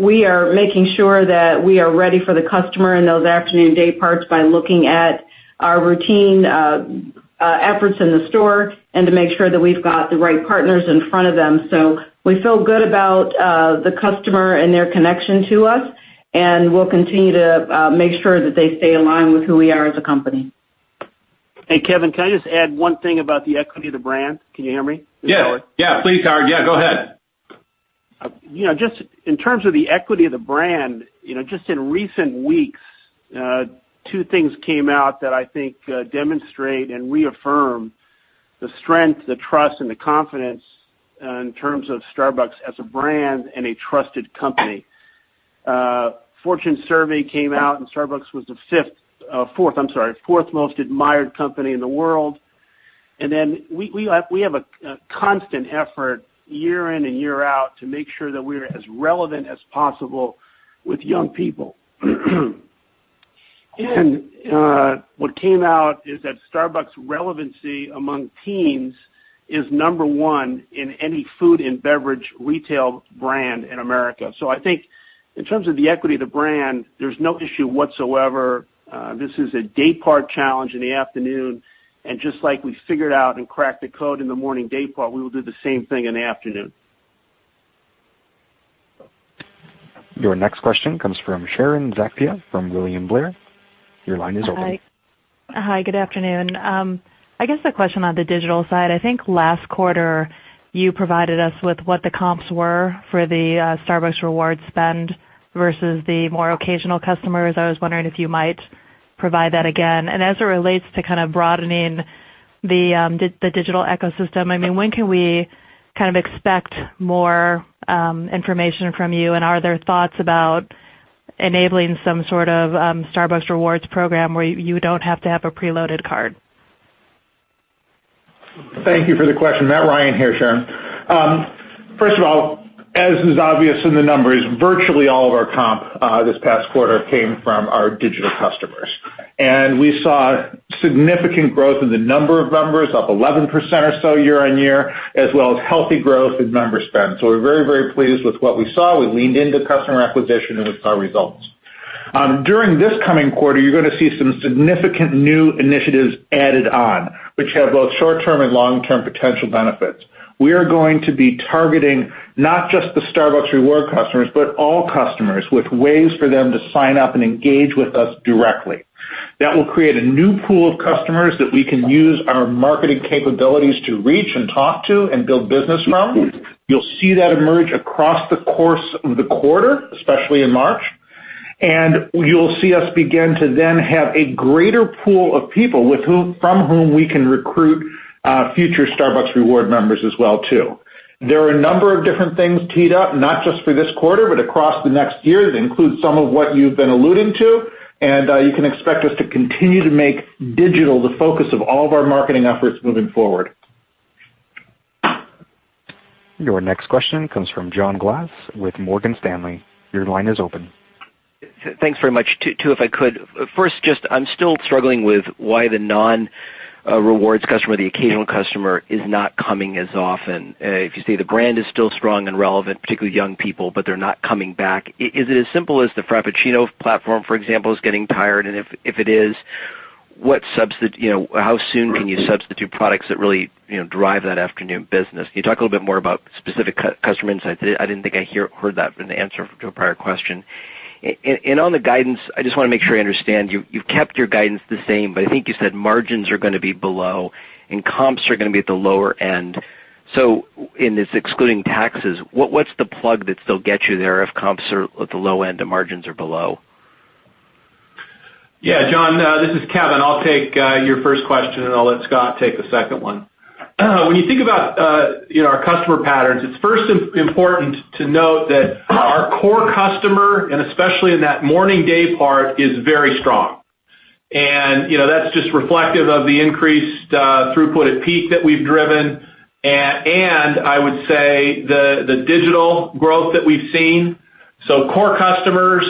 We are making sure that we are ready for the customer in those afternoon day parts by looking at our routine efforts in the store and to make sure that we've got the right partners in front of them. We feel good about the customer and their connection to us, we'll continue to make sure that they stay aligned with who we are as a company. Hey, Kevin, can I just add one thing about the equity of the brand? Can you hear me? Yes. Please, Howard. Yeah, go ahead. Just in terms of the equity of the brand, just in recent weeks, two things came out that I think demonstrate and reaffirm the strength, the trust, and the confidence in terms of Starbucks as a brand and a trusted company. Fortune survey came out, Starbucks was the fourth most admired company in the world. Then we have a constant effort year in and year out to make sure that we're as relevant as possible with young people. What came out is that Starbucks relevancy among teens is number 1 in any food and beverage retail brand in America. I think in terms of the equity of the brand, there's no issue whatsoever. This is a day part challenge in the afternoon, just like we figured out and cracked the code in the morning day part, we will do the same thing in the afternoon. Your next question comes from Sharon Zackfia from William Blair. Your line is open. Hi. Good afternoon. I guess a question on the digital side. I think last quarter you provided us with what the comps were for the Starbucks Rewards spend versus the more occasional customers. I was wondering if you might provide that again. As it relates to kind of broadening the digital ecosystem, when can we kind of expect more information from you? Are there thoughts about enabling some sort of Starbucks Rewards program where you don't have to have a preloaded card? Thank you for the question. Matt Ryan here, Sharon. First of all, as is obvious in the numbers, virtually all of our comp this past quarter came from our digital customers. We saw significant growth in the number of members, up 11% or so year-on-year, as well as healthy growth in member spend. We're very pleased with what we saw. We leaned into customer acquisition, and we saw results. During this coming quarter, you're going to see some significant new initiatives added on, which have both short-term and long-term potential benefits. We are going to be targeting not just the Starbucks Rewards customers, but all customers with ways for them to sign up and engage with us directly. That will create a new pool of customers that we can use our marketing capabilities to reach and talk to and build business from. You'll see that emerge across the course of the quarter, especially in March. You'll see us begin to then have a greater pool of people from whom we can recruit future Starbucks Rewards members as well, too. There are a number of different things teed up, not just for this quarter, but across the next year that includes some of what you've been alluding to. You can expect us to continue to make digital the focus of all of our marketing efforts moving forward. Your next question comes from John Glass with Morgan Stanley. Your line is open. Thanks very much. Two if I could. First, I'm still struggling with why the non-rewards customer, the occasional customer, is not coming as often. If you say the brand is still strong and relevant, particularly young people, they're not coming back. Is it as simple as the Frappuccino platform, for example, is getting tired? If it is, how soon can you substitute products that really drive that afternoon business? Can you talk a little bit more about specific customer insights? I didn't think I heard that in the answer to a prior question. On the guidance, I just want to make sure I understand. You've kept your guidance the same, I think you said margins are going to be below and comps are going to be at the lower end. It's excluding taxes. What's the plug that still gets you there if comps are at the low end and margins are below? Yeah, John, this is Kevin. I'll take your first question, I'll let Scott take the second one. When you think about our customer patterns, it's first important to note that our core customer, especially in that morning day part, is very strong. That's reflective of the increased throughput at peak that we've driven and I would say the digital growth that we've seen. Core customers,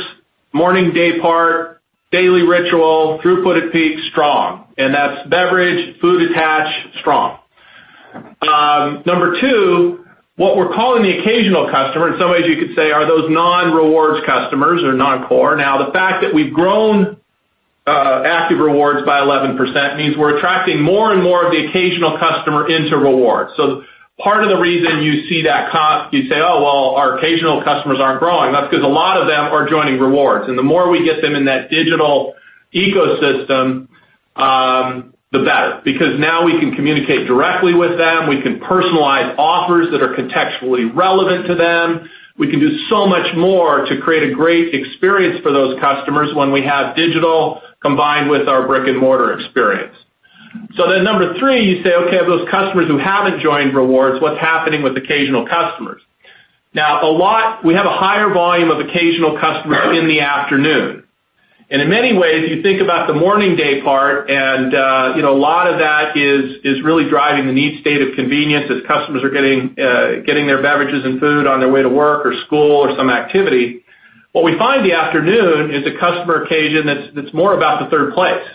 morning day part, daily ritual, throughput at peak, strong. That's beverage, food attach, strong. Number 2, what we're calling the occasional customer, in some ways you could say are those non-rewards customers or non-core. The fact that we've grown active rewards by 11% means we're attracting more and more of the occasional customer into rewards. Part of the reason you see that cost, you say, "Oh, well, our occasional customers aren't growing," that's because a lot of them are joining rewards. The more we get them in that digital ecosystem, the better, because now we can communicate directly with them. We can personalize offers that are contextually relevant to them. We can do so much more to create a great experience for those customers when we have digital combined with our brick-and-mortar experience. Number 3, you say, "Okay, those customers who haven't joined rewards, what's happening with occasional customers?" We have a higher volume of occasional customers in the afternoon. In many ways, you think about the morning day part, a lot of that is really driving the need state of convenience as customers are getting their beverages and food on their way to work or school or some activity. What we find in the afternoon is a customer occasion that's more about the third place.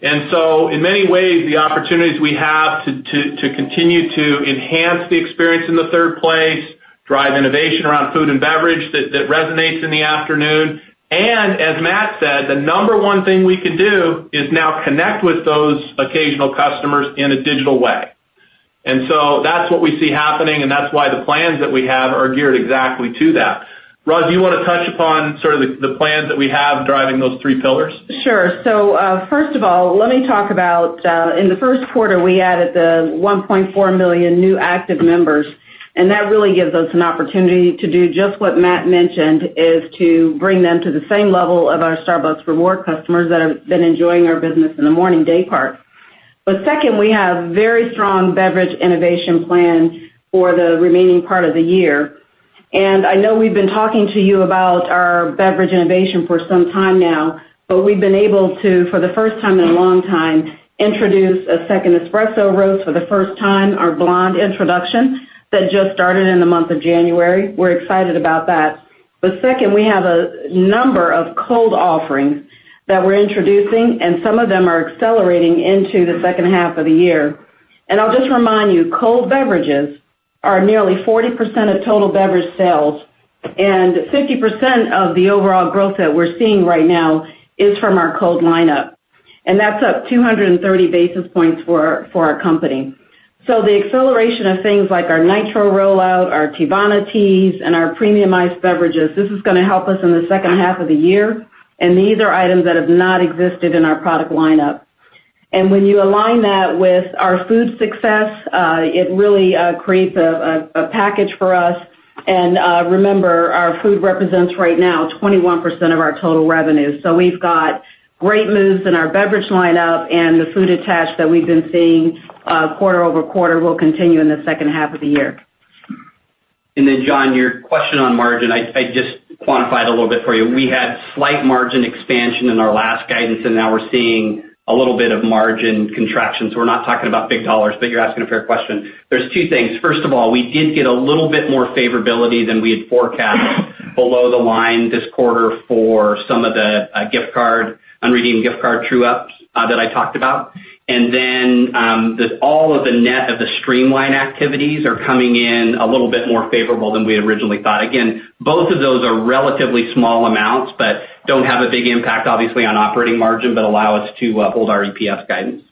In many ways, the opportunities we have to continue to enhance the experience in the third place, drive innovation around food and beverage that resonates in the afternoon. As Matt said, the number one thing we can do is now connect with those occasional customers in a digital way. That's what we see happening, and that's why the plans that we have are geared exactly to that. Roz, do you want to touch upon sort of the plans that we have driving those three pillars? Sure. First of all, let me talk about, in the first quarter, we added $1.4 million new active members, that really gives us an opportunity to do just what Matt mentioned, is to bring them to the same level of our Starbucks Rewards customers that have been enjoying our business in the morning day part. Second, we have very strong beverage innovation plans for the remaining part of the year. I know we've been talking to you about our beverage innovation for some time now, but we've been able to, for the first time in a long time, introduce a second espresso roast for the first time, our Blonde introduction that just started in the month of January. We're excited about that. Second, we have a number of cold offerings that we're introducing, some of them are accelerating into the second half of the year. I'll just remind you, cold beverages are nearly 40% of total beverage sales, 50% of the overall growth that we're seeing right now is from our cold lineup. That's up 230 basis points for our company. The acceleration of things like our Nitro rollout, our Teavana teas, our premiumized beverages, this is going to help us in the second half of the year, and these are items that have not existed in our product lineup. When you align that with our food success, it really creates a package for us. Remember, our food represents right now 21% of our total revenue. We've got great moves in our beverage lineup, the food attach that we've been seeing quarter-over-quarter will continue in the second half of the year. John, your question on margin, I just quantify it a little bit for you. We had slight margin expansion in our last guidance, and now we're seeing a little bit of margin contraction. We're not talking about big dollars, but you're asking a fair question. There's two things. First of all, we did get a little bit more favorability than we had forecast below the line this quarter for some of the unredeemed gift card true-ups that I talked about. All of the net of the streamline activities are coming in a little bit more favorable than we had originally thought. Both of those are relatively small amounts, but don't have a big impact, obviously, on operating margin, but allow us to hold our EPS guidance.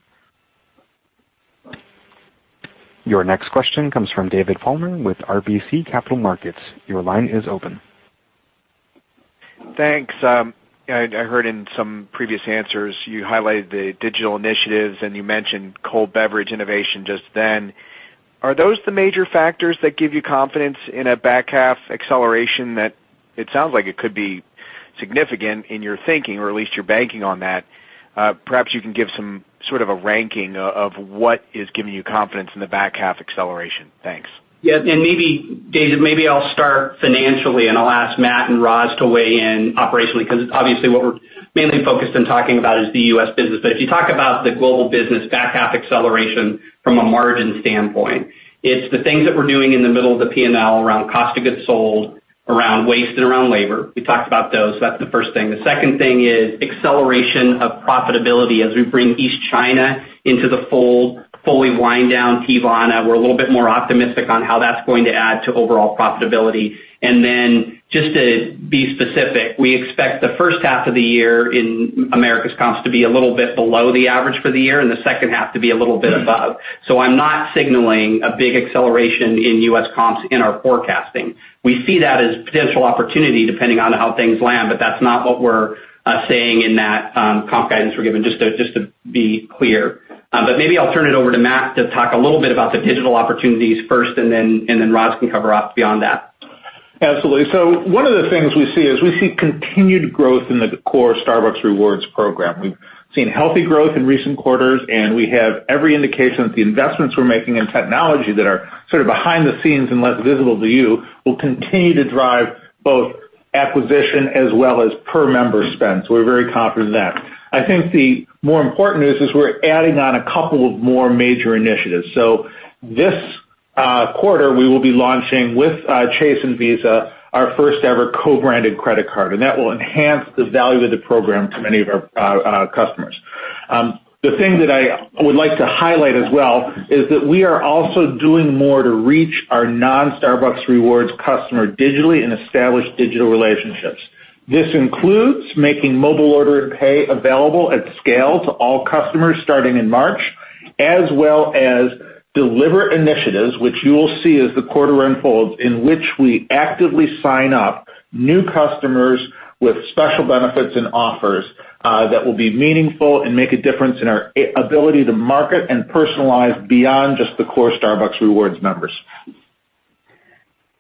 Your next question comes from David Palmer with RBC Capital Markets. Your line is open. Thanks. I heard in some previous answers you highlighted the digital initiatives, and you mentioned cold beverage innovation just then. Are those the major factors that give you confidence in a back half acceleration that it sounds like it could be significant in your thinking, or at least you're banking on that? Perhaps you can give some sort of a ranking of what is giving you confidence in the back half acceleration. Thanks. Yeah. David, maybe I'll start financially, and I'll ask Matt and Roz to weigh in operationally, because obviously what we're mainly focused on talking about is the U.S. business. If you talk about the global business back half acceleration from a margin standpoint, it's the things that we're doing in the middle of the P&L around cost of goods sold, around waste, and around labor. We talked about those. That's the first thing. The second thing is acceleration of profitability as we bring East China into the fold, fully wind down Teavana. We're a little bit more optimistic on how that's going to add to overall profitability. Just to be specific, we expect the first half of the year in Americas comps to be a little bit below the average for the year and the second half to be a little bit above. I'm not signaling a big acceleration in U.S. comps in our forecasting. We see that as potential opportunity depending on how things land, that's not what we're saying in that comp guidance we're giving, just to be clear. Maybe I'll turn it over to Matt to talk a little bit about the digital opportunities first, and then Roz can cover off beyond that. Absolutely. One of the things we see is we see continued growth in the core Starbucks Rewards program. We've seen healthy growth in recent quarters, we have every indication that the investments we're making in technology that are sort of behind the scenes and less visible to you will continue to drive both acquisition as well as per-member spend. We're very confident in that. I think the more important news is we're adding on a couple of more major initiatives. This quarter, we will be launching with Chase and Visa, our first-ever co-branded credit card, that will enhance the value of the program to many of our customers. The thing that I would like to highlight as well is that we are also doing more to reach our non-Starbucks Rewards customer digitally and establish digital relationships. This includes making Mobile Order and Pay available at scale to all customers starting in March, as well as deliver initiatives, which you will see as the quarter unfolds, in which we actively sign up new customers with special benefits and offers, that will be meaningful and make a difference in our ability to market and personalize beyond just the core Starbucks Rewards members.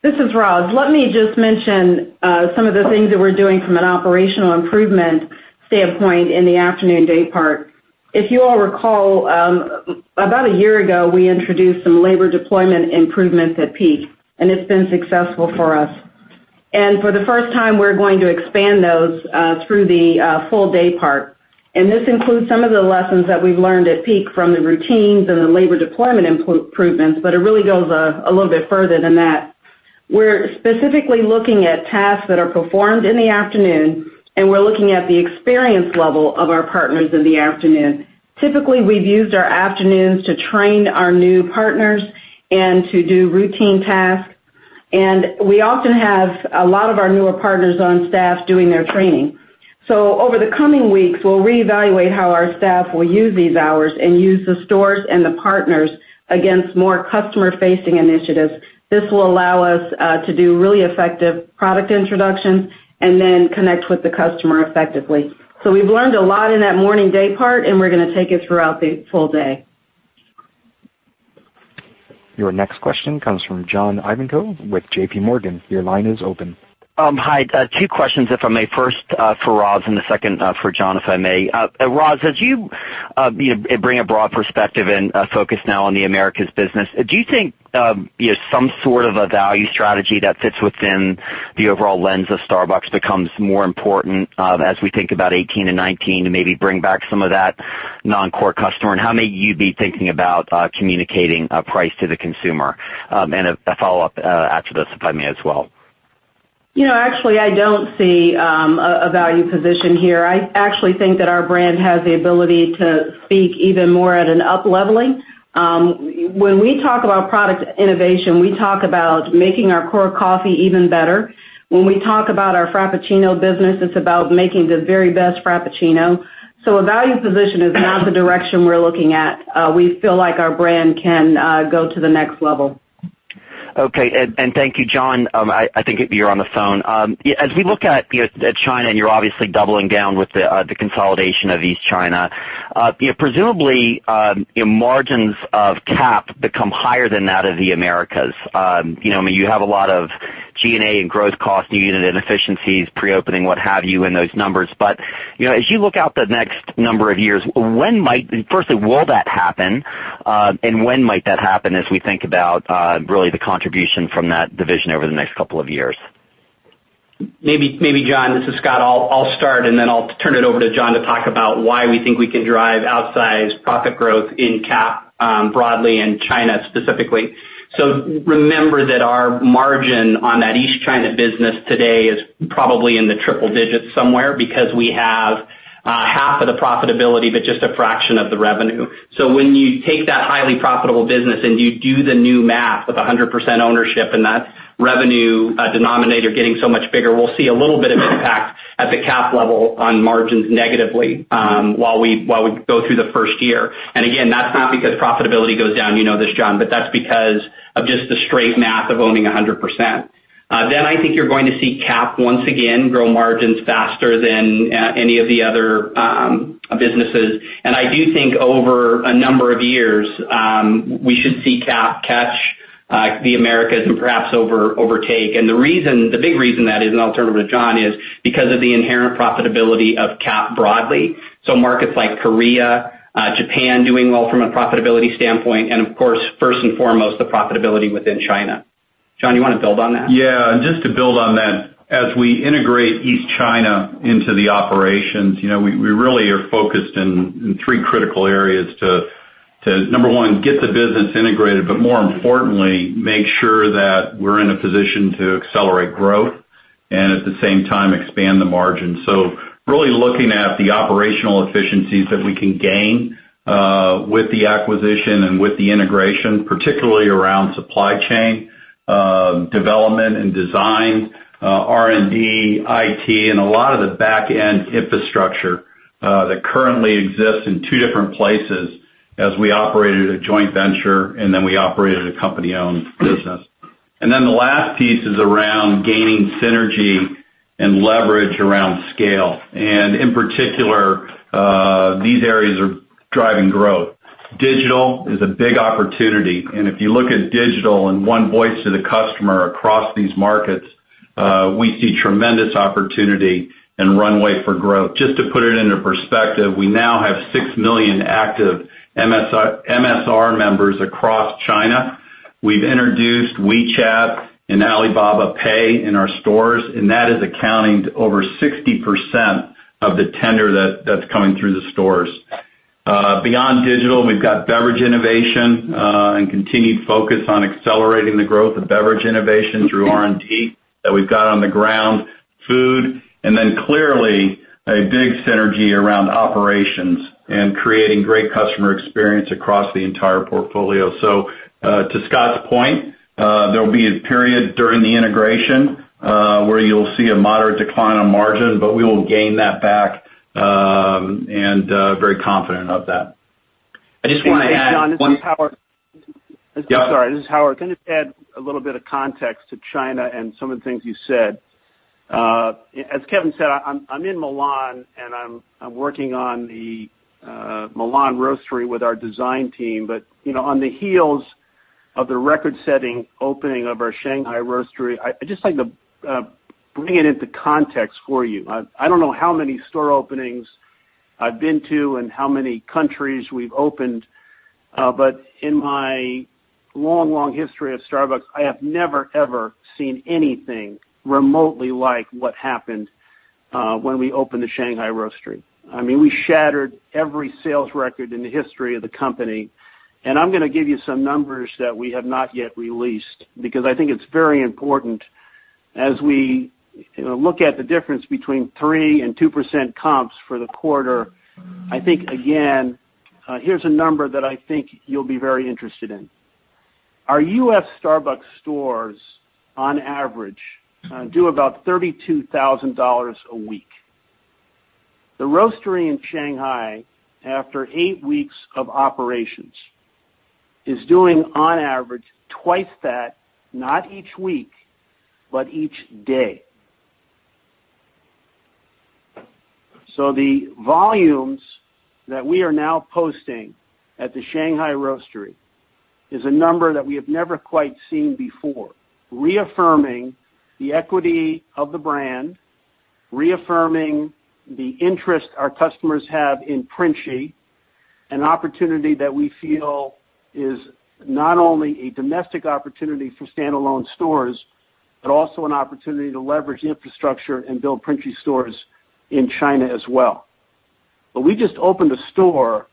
This is Roz. Let me just mention some of the things that we're doing from an operational improvement standpoint in the afternoon day part. If you all recall, about a year ago, we introduced some labor deployment improvements at Peak, it's been successful for us. For the first time, we're going to expand those through the full day part. This includes some of the lessons that we've learned at Peak from the routines and the labor deployment improvements, it really goes a little bit further than that. We're specifically looking at tasks that are performed in the afternoon, we're looking at the experience level of our partners in the afternoon. Typically, we've used our afternoons to train our new partners and to do routine tasks. We often have a lot of our newer partners on staff doing their training. Over the coming weeks, we'll reevaluate how our staff will use these hours and use the stores and the partners against more customer-facing initiatives. This will allow us to do really effective product introductions and then connect with the customer effectively. We've learned a lot in that morning day part, and we're going to take it throughout the full day. Your next question comes from John Ivankoe with J.P. Morgan. Your line is open. Hi. Two questions, if I may. First for Roz and the second for John, if I may. Roz, as you bring a broad perspective and focus now on the Americas business, do you think some sort of a value strategy that fits within the overall lens of Starbucks becomes more important as we think about 2018 and 2019 to maybe bring back some of that non-core customer? How may you be thinking about communicating price to the consumer? And a follow-up after this, if I may, as well. Actually, I don't see a value position here. I actually think that our brand has the ability to speak even more at an up-leveling. When we talk about product innovation, we talk about making our core coffee even better. When we talk about our Frappuccino business, it's about making the very best Frappuccino. A value position is not the direction we're looking at. We feel like our brand can go to the next level. Okay. Thank you, John. I think you're on the phone. As we look at China, you're obviously doubling down with the consolidation of East China. Presumably, margins of CAP become higher than that of the Americas. You have a lot of G&A and growth costs, new unit inefficiencies, pre-opening, what have you in those numbers. As you look out the next number of years, firstly, will that happen? When might that happen as we think about really the contribution from that division over the next couple of years? Maybe, John, this is Scott, I'll start. Then I'll turn it over to John to talk about why we think we can drive outsized profit growth in CAP broadly and China specifically. Remember that our margin on that East China business today is probably in the triple digits somewhere because we have half of the profitability, but just a fraction of the revenue. When you take that highly profitable business and you do the new math with 100% ownership and that revenue denominator getting so much bigger, we'll see a little bit of impact at the CAP level on margins negatively, while we go through the first year. Again, that's not because profitability goes down, you know this, John, but that's because of just the straight math of owning 100%. I think you're going to see CAP once again grow margins faster than any of the other businesses. I do think over a number of years, we should see CAP catch the Americas and perhaps overtake. The big reason that is, I'll turn it over to John, is because of the inherent profitability of CAP broadly. Markets like Korea, Japan doing well from a profitability standpoint, and of course, first and foremost, the profitability within China. John, you want to build on that? Yeah. Just to build on that. As we integrate East China into the operations, we really are focused in three critical areas to, number one, get the business integrated, but more importantly, make sure that we're in a position to accelerate growth and at the same time expand the margin. Really looking at the operational efficiencies that we can gain with the acquisition and with the integration, particularly around supply chain, development and design, R&D, IT, and a lot of the back-end infrastructure that currently exists in two different places as we operated a joint venture, and then we operated a company-owned business. The last piece is around gaining synergy and leverage around scale. In particular, these areas are driving growth. Digital is a big opportunity. If you look at digital and one voice to the customer across these markets, we see tremendous opportunity and runway for growth. Just to put it into perspective, we now have 6 million active MSR members across China. We've introduced WeChat and Alipay in our stores, and that is accounting to over 60% of the tender that's coming through the stores. Beyond digital, we've got beverage innovation, continued focus on accelerating the growth of beverage innovation through R&D that we've got on the ground, food, and clearly a big synergy around operations and creating great customer experience across the entire portfolio. To Scott's point, there'll be a period during the integration, where you'll see a moderate decline on margin, but we will gain that back, and very confident of that. I just want to add one. Thanks, John. This is Howard. Yeah. I'm sorry. This is Howard. Can I just add a little bit of context to China and some of the things you said? As Kevin said, I'm in Milan and I'm working on the Milan Roastery with our design team. On the heels of the record-setting opening of our Shanghai Roastery, I'd just like to bring it into context for you. I don't know how many store openings I've been to and how many countries we've opened, but in my long history at Starbucks, I have never, ever seen anything remotely like what happened when we opened the Shanghai Roastery. We shattered every sales record in the history of the company. I'm going to give you some numbers that we have not yet released, because I think it's very important as we look at the difference between 3% and 2% comps for the quarter. I think, again, here's a number that I think you'll be very interested in. Our U.S. Starbucks stores, on average, do about $32,000 a week. The Roastery in Shanghai, after 8 weeks of operations, is doing, on average, twice that, not each week, but each day. The volumes that we are now posting at the Shanghai Roastery is a number that we have never quite seen before, reaffirming the equity of the brand, reaffirming the interest our customers have in Princi, an opportunity that we feel is not only a domestic opportunity for standalone stores, but also an opportunity to leverage infrastructure and build Princi stores in China as well. We just opened a store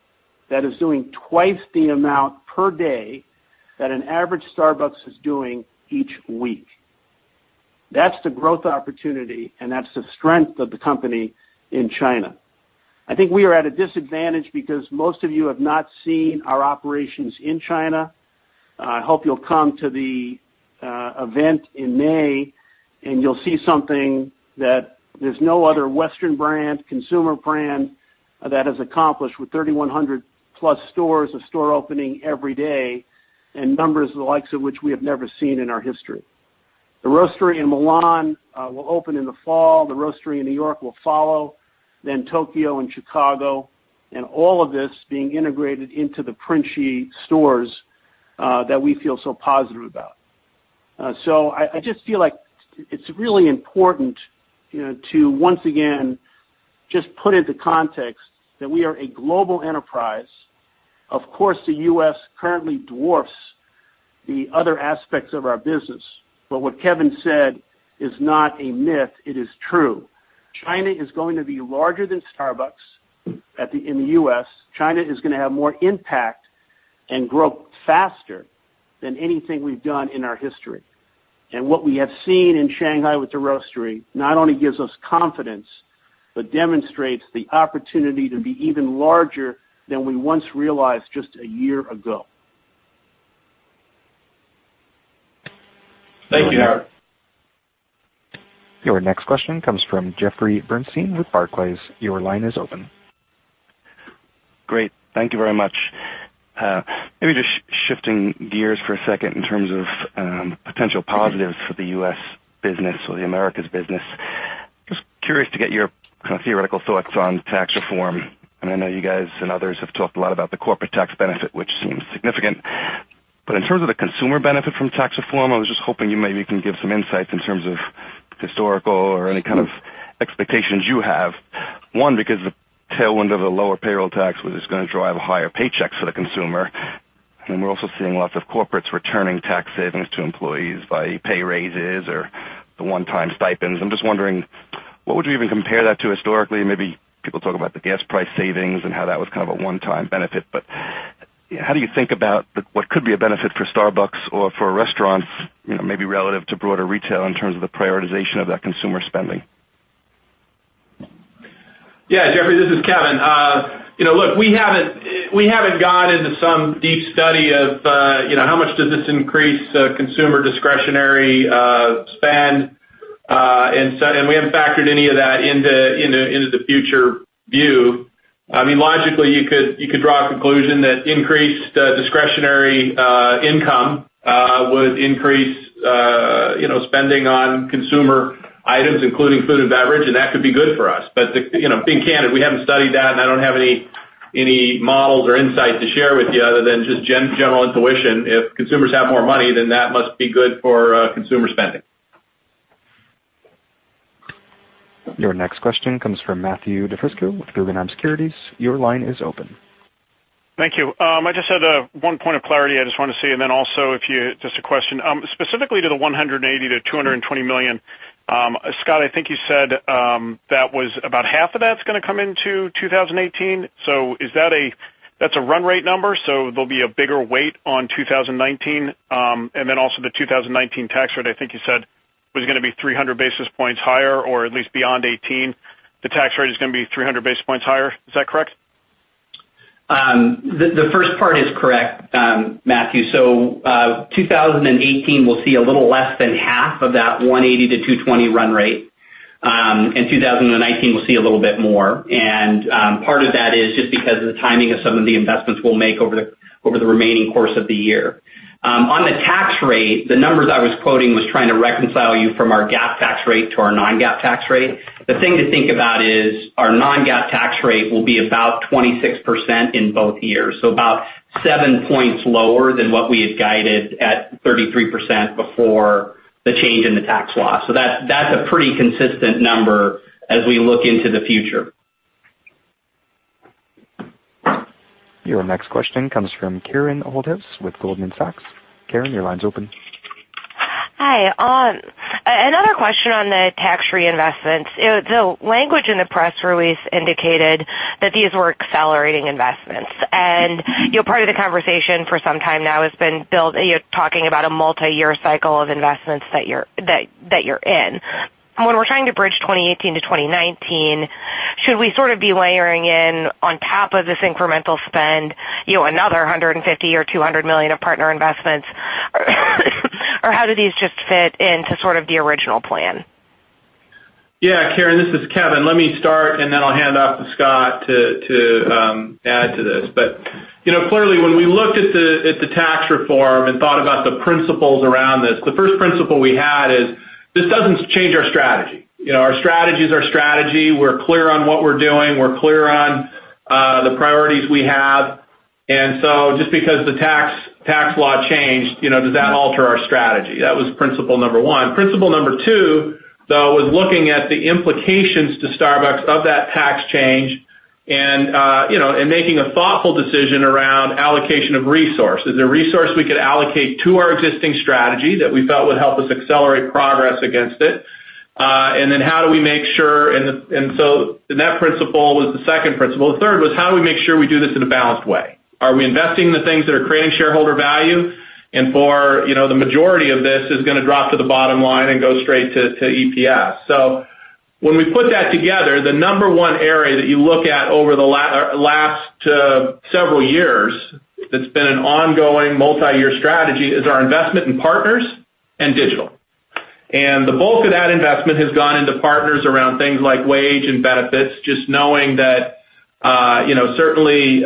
that is doing twice the amount per day that an average Starbucks is doing each week. That's the growth opportunity, and that's the strength of the company in China. I think we are at a disadvantage because most of you have not seen our operations in China. I hope you'll come to the event in May, and you'll see something that there's no other Western brand, consumer brand that has accomplished with 3,100-plus stores, a store opening every day, and numbers the likes of which we have never seen in our history. The Roastery in Milan will open in the fall. The Roastery in New York will follow, then Tokyo and Chicago, and all of this being integrated into the Princi stores that we feel so positive about. I just feel like it's really important to once again just put into context that we are a global enterprise. Of course, the U.S. currently dwarfs the other aspects of our business. What Kevin said is not a myth, it is true. China is going to be larger than Starbucks in the U.S. China is going to have more impact and grow faster than anything we've done in our history. What we have seen in Shanghai with the Roastery not only gives us confidence, but demonstrates the opportunity to be even larger than we once realized just a year ago. Thank you, Howard. Your next question comes from Jeffrey Bernstein with Barclays. Your line is open. Great. Thank you very much. Maybe just shifting gears for a second in terms of potential positives for the U.S. business or the Americas business. Just curious to get your theoretical thoughts on tax reform. I know you guys and others have talked a lot about the corporate tax benefit, which seems significant. In terms of the consumer benefit from tax reform, I was just hoping you maybe can give some insights in terms of historical or any kind of expectations you have. One, because the tailwind of the lower payroll tax was just going to drive higher paychecks for the consumer, and we're also seeing lots of corporates returning tax savings to employees by pay raises or the one-time stipends. I'm just wondering, what would you even compare that to historically? Maybe people talk about the gas price savings and how that was kind of a one-time benefit. How do you think about what could be a benefit for Starbucks or for restaurants, maybe relative to broader retail in terms of the prioritization of that consumer spending? Yeah, Jeffrey, this is Kevin. Look, we haven't gone into some deep study of how much does this increase consumer discretionary spend, we haven't factored any of that into the future view. Logically, you could draw a conclusion that increased discretionary income would increase spending on consumer items, including food and beverage, and that could be good for us. Being candid, we haven't studied that, and I don't have any models or insight to share with you other than just general intuition. If consumers have more money, then that must be good for consumer spending. Your next question comes from Matthew DiFrisco with Guggenheim Securities. Your line is open. Thank you. I just had one point of clarity I just wanted to see, and then also just a question. Specifically to the $180 million-$220 million, Scott, I think you said about half of that's going to come into 2018. That's a run rate number, there'll be a bigger weight on 2019. Also the 2019 tax rate, I think you said was going to be 300 basis points higher, or at least beyond 2018. The tax rate is going to be 300 basis points higher. Is that correct? The first part is correct, Matthew. 2018 will see a little less than half of that $180 million-$220 million run rate. In 2019, we'll see a little bit more. Part of that is just because of the timing of some of the investments we'll make over the remaining course of the year. On the tax rate, the numbers I was quoting was trying to reconcile you from our GAAP tax rate to our non-GAAP tax rate. The thing to think about is our non-GAAP tax rate will be about 26% in both years, about seven points lower than what we had guided at 33% before the change in the tax law. That's a pretty consistent number as we look into the future. Your next question comes from Karen Holthouse with Goldman Sachs. Karen, your line's open. Hi. Another question on the tax reinvestments. The language in the press release indicated that these were accelerating investments. Part of the conversation for some time now has been talking about a multiyear cycle of investments that you're in. When we're trying to bridge 2018 to 2019, should we sort of be layering in on top of this incremental spend another $150 million or $200 million of partner investments? How do these just fit into sort of the original plan? Yeah, Karen, this is Kevin. Let me start, then I'll hand off to Scott to add to this. Clearly, when we looked at the tax reform and thought about the principles around this, the first principle we had is this doesn't change our strategy. Our strategy is our strategy. We're clear on what we're doing. We're clear on the priorities we have. Just because the tax law changed, does that alter our strategy? That was principle number 1. Principle number 2, though, was looking at the implications to Starbucks of that tax change and making a thoughtful decision around allocation of resources. Is there resource we could allocate to our existing strategy that we felt would help us accelerate progress against it? That principle was the second principle. The third was how do we make sure we do this in a balanced way? Are we investing in the things that are creating shareholder value? The majority of this is going to drop to the bottom line and go straight to EPS. When we put that together, the number 1 area that you look at over the last several years that's been an ongoing multiyear strategy is our investment in partners and digital. The bulk of that investment has gone into partners around things like wage and benefits, just knowing that certainly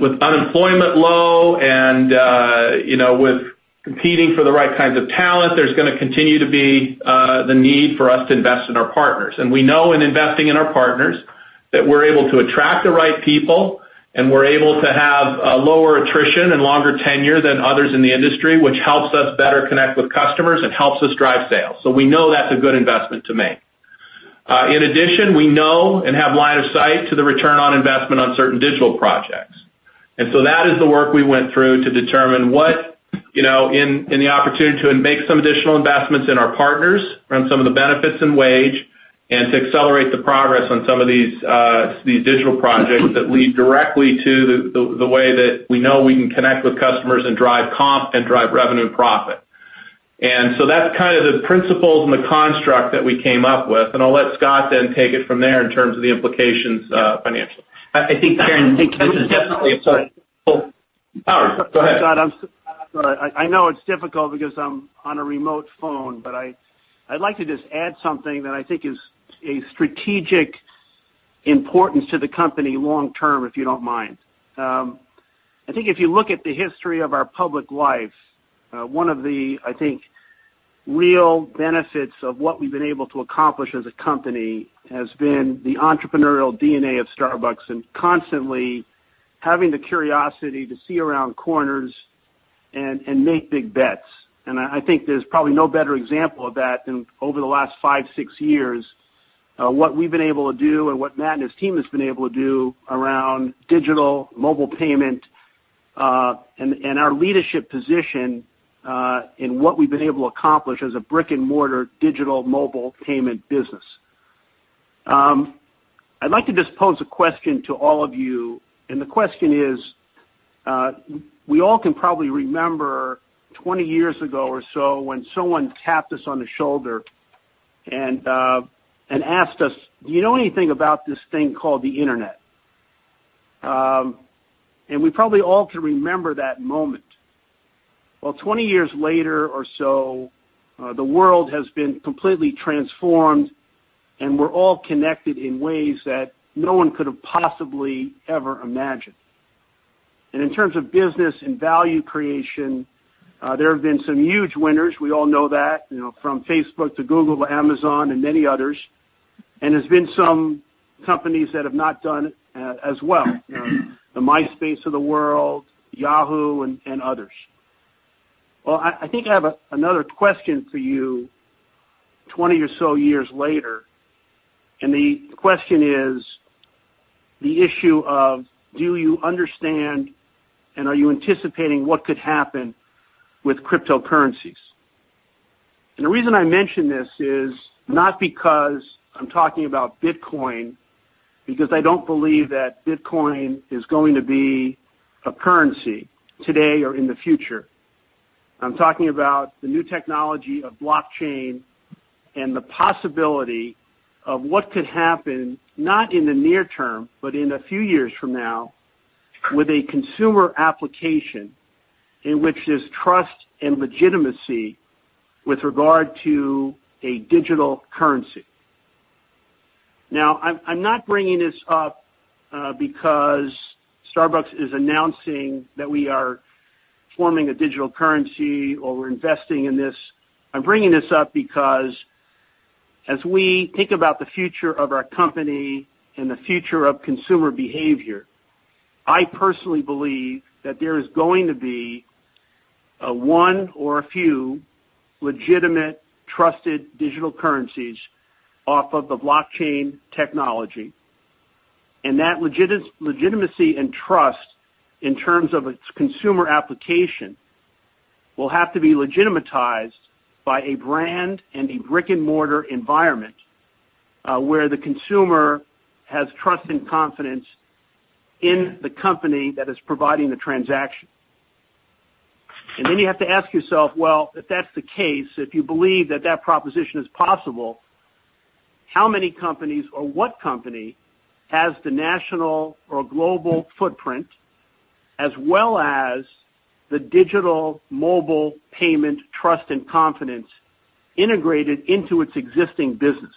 with unemployment low and with competing for the right kinds of talent, there's going to continue to be the need for us to invest in our partners. We know in investing in our partners that we're able to attract the right people and we're able to have a lower attrition and longer tenure than others in the industry, which helps us better connect with customers and helps us drive sales. We know that's a good investment to make. In addition, we know and have line of sight to the return on investment on certain digital projects. That is the work we went through to determine what in the opportunity to make some additional investments in our partners around some of the benefits and wage, and to accelerate the progress on some of these digital projects that lead directly to the way that we know we can connect with customers and drive comp and drive revenue and profit. That's kind of the principles and the construct that we came up with, and I'll let Scott then take it from there in terms of the implications financially. I think, Karen- Sorry. Howard, go ahead. Scott, I know it's difficult because I'm on a remote phone, but I'd like to just add something that I think is a strategic importance to the company long term, if you don't mind. I think if you look at the history of our public life, one of the, I think, real benefits of what we've been able to accomplish as a company has been the entrepreneurial DNA of Starbucks and constantly having the curiosity to see around corners and make big bets. I think there's probably no better example of that than over the last five, six years, what we've been able to do and what Matt and his team has been able to do around digital, mobile payment, and our leadership position in what we've been able to accomplish as a brick-and-mortar digital mobile payment business. I'd like to just pose a question to all of you, and the question is, we all can probably remember 20 years ago or so when someone tapped us on the shoulder and asked us, "Do you know anything about this thing called the Internet?" We probably all can remember that moment. 20 years later or so, the world has been completely transformed. We're all connected in ways that no one could have possibly ever imagined. In terms of business and value creation, there have been some huge winners, we all know that, from Facebook to Google to Amazon and many others. There's been some companies that have not done as well. The Myspace of the world, Yahoo, and others. I think I have another question for you 20 or so years later, and the question is the issue of, do you understand, and are you anticipating what could happen with cryptocurrencies? The reason I mention this is not because I'm talking about Bitcoin, because I don't believe that Bitcoin is going to be a currency today or in the future. I'm talking about the new technology of blockchain and the possibility of what could happen, not in the near term, but in a few years from now, with a consumer application in which there's trust and legitimacy with regard to a digital currency. I'm not bringing this up because Starbucks is announcing that we are forming a digital currency or we're investing in this. I'm bringing this up because as we think about the future of our company and the future of consumer behavior, I personally believe that there is going to be one or a few legitimate, trusted digital currencies off of the blockchain technology. That legitimacy and trust in terms of its consumer application will have to be legitimatized by a brand and a brick-and-mortar environment, where the consumer has trust and confidence in the company that is providing the transaction. Then you have to ask yourself, well, if that's the case, if you believe that that proposition is possible, how many companies or what company has the national or global footprint, as well as the digital mobile payment trust and confidence integrated into its existing business?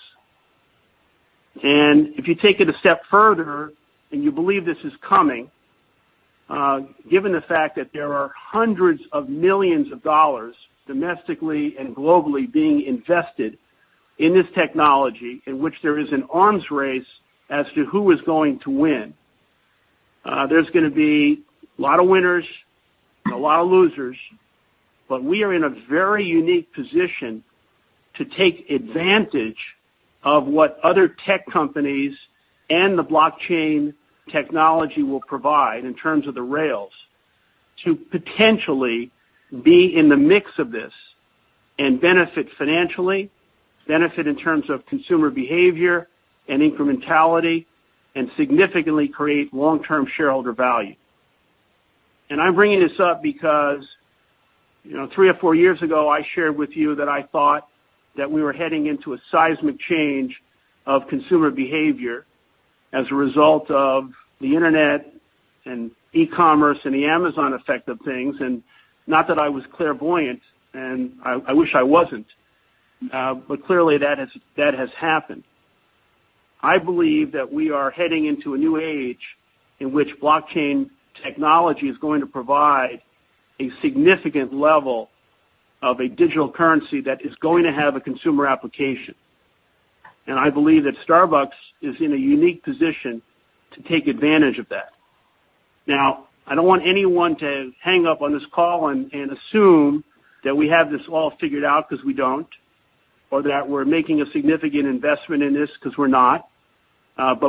If you take it a step further and you believe this is coming, given the fact that there are hundreds of millions of dollars, domestically and globally, being invested in this technology in which there is an arms race as to who is going to win. There's going to be a lot of winners and a lot of losers, we are in a very unique position to take advantage of what other tech companies and the blockchain technology will provide in terms of the rails to potentially be in the mix of this and benefit financially, benefit in terms of consumer behavior and incrementality, and significantly create long-term shareholder value. I'm bringing this up because three or four years ago, I shared with you that I thought that we were heading into a seismic change of consumer behavior as a result of the internet and e-commerce and the Amazon effect of things. Not that I was clairvoyant, I wish I wasn't. Clearly that has happened. I believe that we are heading into a new age in which blockchain technology is going to provide a significant level of a digital currency that is going to have a consumer application. I believe that Starbucks is in a unique position to take advantage of that. Now, I don't want anyone to hang up on this call and assume that we have this all figured out, because we don't, or that we're making a significant investment in this, because we're not.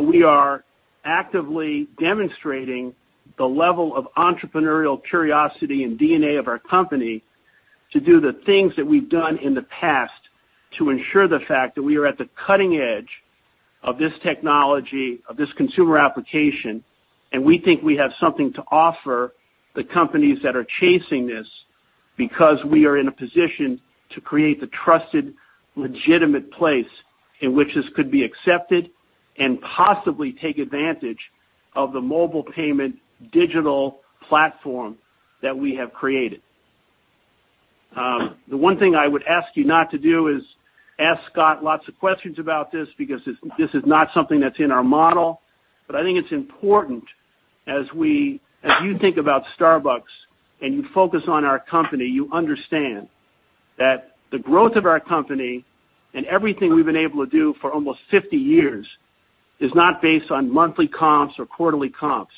We are actively demonstrating the level of entrepreneurial curiosity and DNA of our company to do the things that we've done in the past to ensure the fact that we are at the cutting edge of this technology, of this consumer application, and we think we have something to offer the companies that are chasing this because we are in a position to create the trusted, legitimate place in which this could be accepted and possibly take advantage of the mobile payment digital platform that we have created. The one thing I would ask you not to do is ask Scott lots of questions about this, because this is not something that's in our model. I think it's important as you think about Starbucks and you focus on our company, you understand that the growth of our company and everything we've been able to do for almost 50 years is not based on monthly comps or quarterly comps.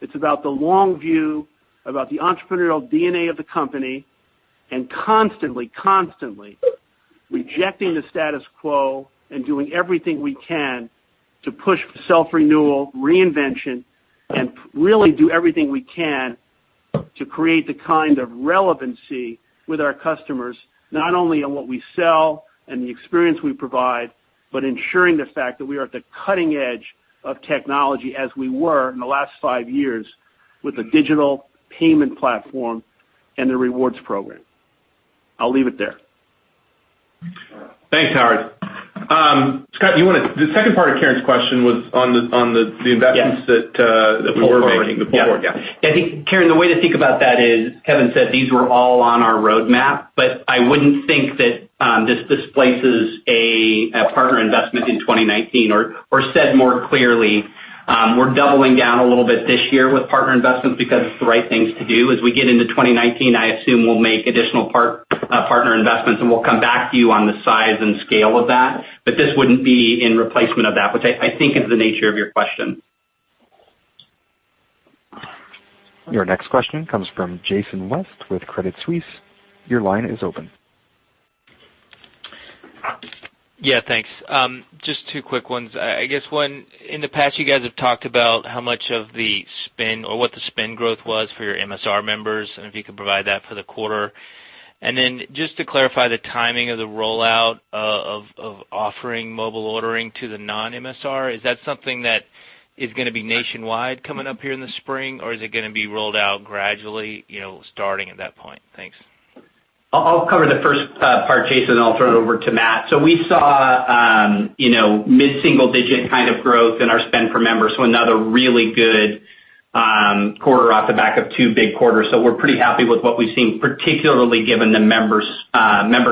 It's about the long view, about the entrepreneurial DNA of the company, and constantly rejecting the status quo and doing everything we can to push self-renewal, reinvention, and really do everything we can to create the kind of relevancy with our customers, not only on what we sell and the experience we provide, but ensuring the fact that we are at the cutting edge of technology as we were in the last five years with the digital payment platform and the Rewards program. I'll leave it there. Thanks, Howard. Scott, the second part of Karen's question was on the investments that we were making before. I think, Karen, the way to think about that is, Kevin said these were all on our roadmap. I wouldn't think that this displaces a partner investment in 2019. Said more clearly, we're doubling down a little bit this year with partner investments because it's the right thing to do. As we get into 2019, I assume we'll make additional partner investments. We'll come back to you on the size and scale of that. This wouldn't be in replacement of that, which I think is the nature of your question. Your next question comes from Jason West with Credit Suisse. Your line is open. Thanks. Just two quick ones. I guess one, in the past, you guys have talked about how much of the spend or what the spend growth was for your MSR members. If you could provide that for the quarter. Just to clarify the timing of the rollout of offering mobile ordering to the non-MSR, is that something that is going to be nationwide coming up here in the spring, or is it going to be rolled out gradually starting at that point? Thanks. I'll cover the first part, Jason, then I'll turn it over to Matt. We saw mid-single-digit kind of growth in our spend per member. Another really good quarter off the back of two big quarters. We're pretty happy with what we've seen, particularly given the member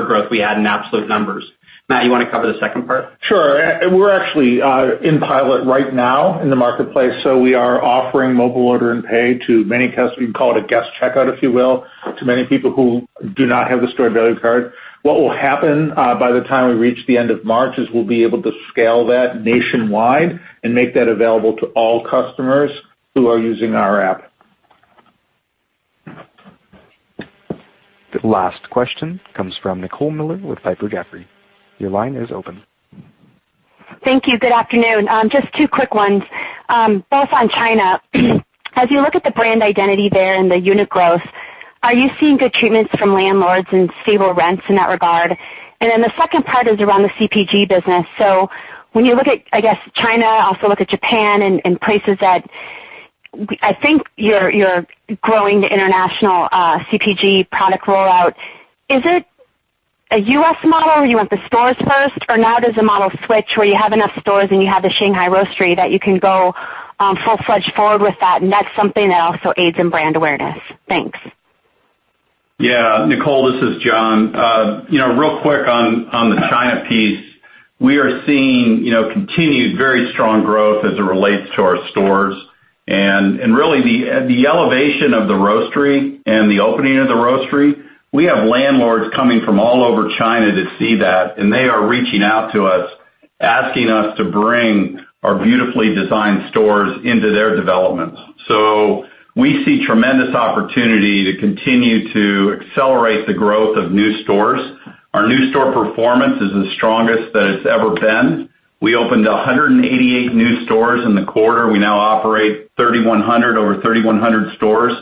growth we had in absolute numbers. Matt, you want to cover the second part? Sure. We're actually in pilot right now in the marketplace, so we are offering Mobile Order & Pay to many customers. We can call it a guest checkout, if you will, to many people who do not have the stored-value card. What will happen, by the time we reach the end of March, is we'll be able to scale that nationwide and make that available to all customers who are using our app. The last question comes from Nicole Miller with Piper Jaffray. Your line is open. Thank you. Good afternoon. Just two quick ones, both on China. As you look at the brand identity there and the unit growth, are you seeing good treatments from landlords and stable rents in that regard? The second part is around the CPG business. When you look at, I guess, China, also look at Japan and places that I think you're growing the international CPG product rollout, is it a U.S. model where you want the stores first, or now does the model switch where you have enough stores and you have the Shanghai Roastery that you can go full-fledged forward with that, and that's something that also aids in brand awareness? Thanks. Nicole, this is John. Real quick on the China piece, we are seeing continued very strong growth as it relates to our stores. Really the elevation of the roastery and the opening of the roastery, we have landlords coming from all over China to see that, and they are reaching out to us, asking us to bring our beautifully designed stores into their developments. We see tremendous opportunity to continue to accelerate the growth of new stores. Our new store performance is the strongest that it's ever been. We opened 188 new stores in the quarter. We now operate over 3,100 stores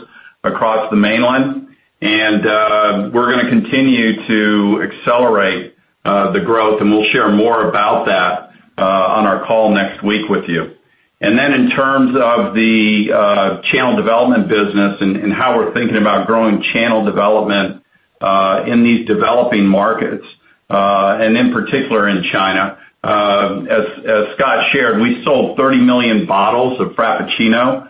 across the mainland. We're going to continue to accelerate the growth, and we'll share more about that on our call next week with you. Then in terms of the channel development business and how we're thinking about growing channel development in these developing markets, and in particular in China, as Scott shared, we sold 30 million bottles of Frappuccino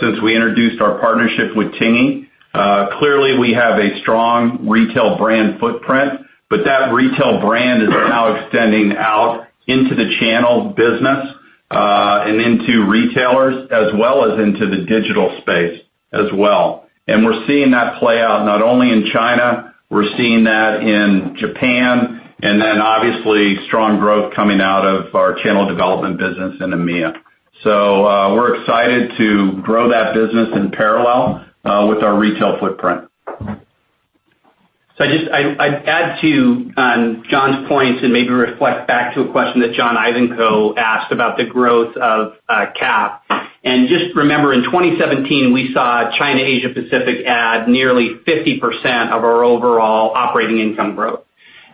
since we introduced our partnership with Tingyi. Clearly, we have a strong retail brand footprint, but that retail brand is now extending out into the channel business, and into retailers as well as into the digital space as well. We're seeing that play out not only in China, we're seeing that in Japan, then obviously strong growth coming out of our channel development business in EMEA. We're excited to grow that business in parallel with our retail footprint. I'd add to John's points and maybe reflect back to a question that John Ivankoe asked about the growth of CAP. Just remember, in 2017, we saw China Asia Pacific add nearly 50% of our overall operating income growth.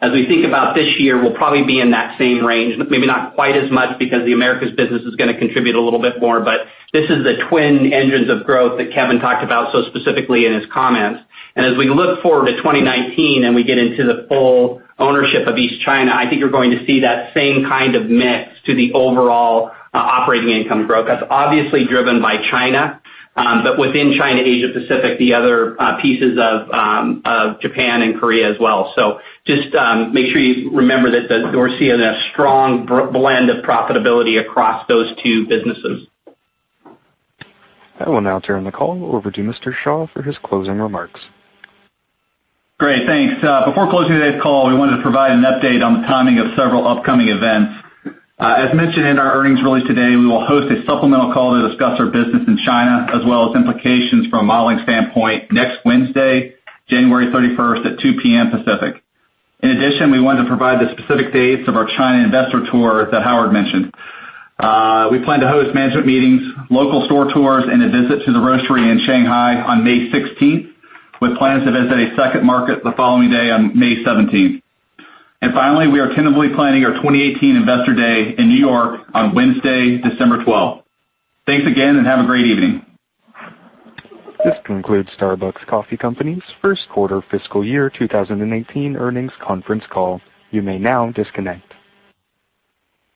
As we think about this year, we'll probably be in that same range, maybe not quite as much because the Americas business is going to contribute a little bit more, but this is the twin engines of growth that Kevin talked about so specifically in his comments. As we look forward to 2019 and we get into the full ownership of East China, I think you're going to see that same kind of mix to the overall operating income growth. That's obviously driven by China. Within China, Asia Pacific, the other pieces of Japan and Korea as well. Just make sure you remember that we're seeing a strong blend of profitability across those two businesses. I will now turn the call over to Mr. Shaw for his closing remarks. Great. Thanks. Before closing today's call, we wanted to provide an update on the timing of several upcoming events. As mentioned in our earnings release today, we will host a supplemental call to discuss our business in China, as well as implications from a modeling standpoint next Wednesday, January 31st at 2:00 P.M. Pacific. In addition, we wanted to provide the specific dates of our China investor tour that Howard mentioned. We plan to host management meetings, local store tours, and a visit to the roastery in Shanghai on May 16th, with plans to visit a second market the following day on May 17th. Finally, we are tentatively planning our 2018 Investor Day in New York on Wednesday, December 12th. Thanks again, and have a great evening. This concludes Starbucks Coffee Company's first quarter fiscal year 2018 earnings conference call. You may now disconnect.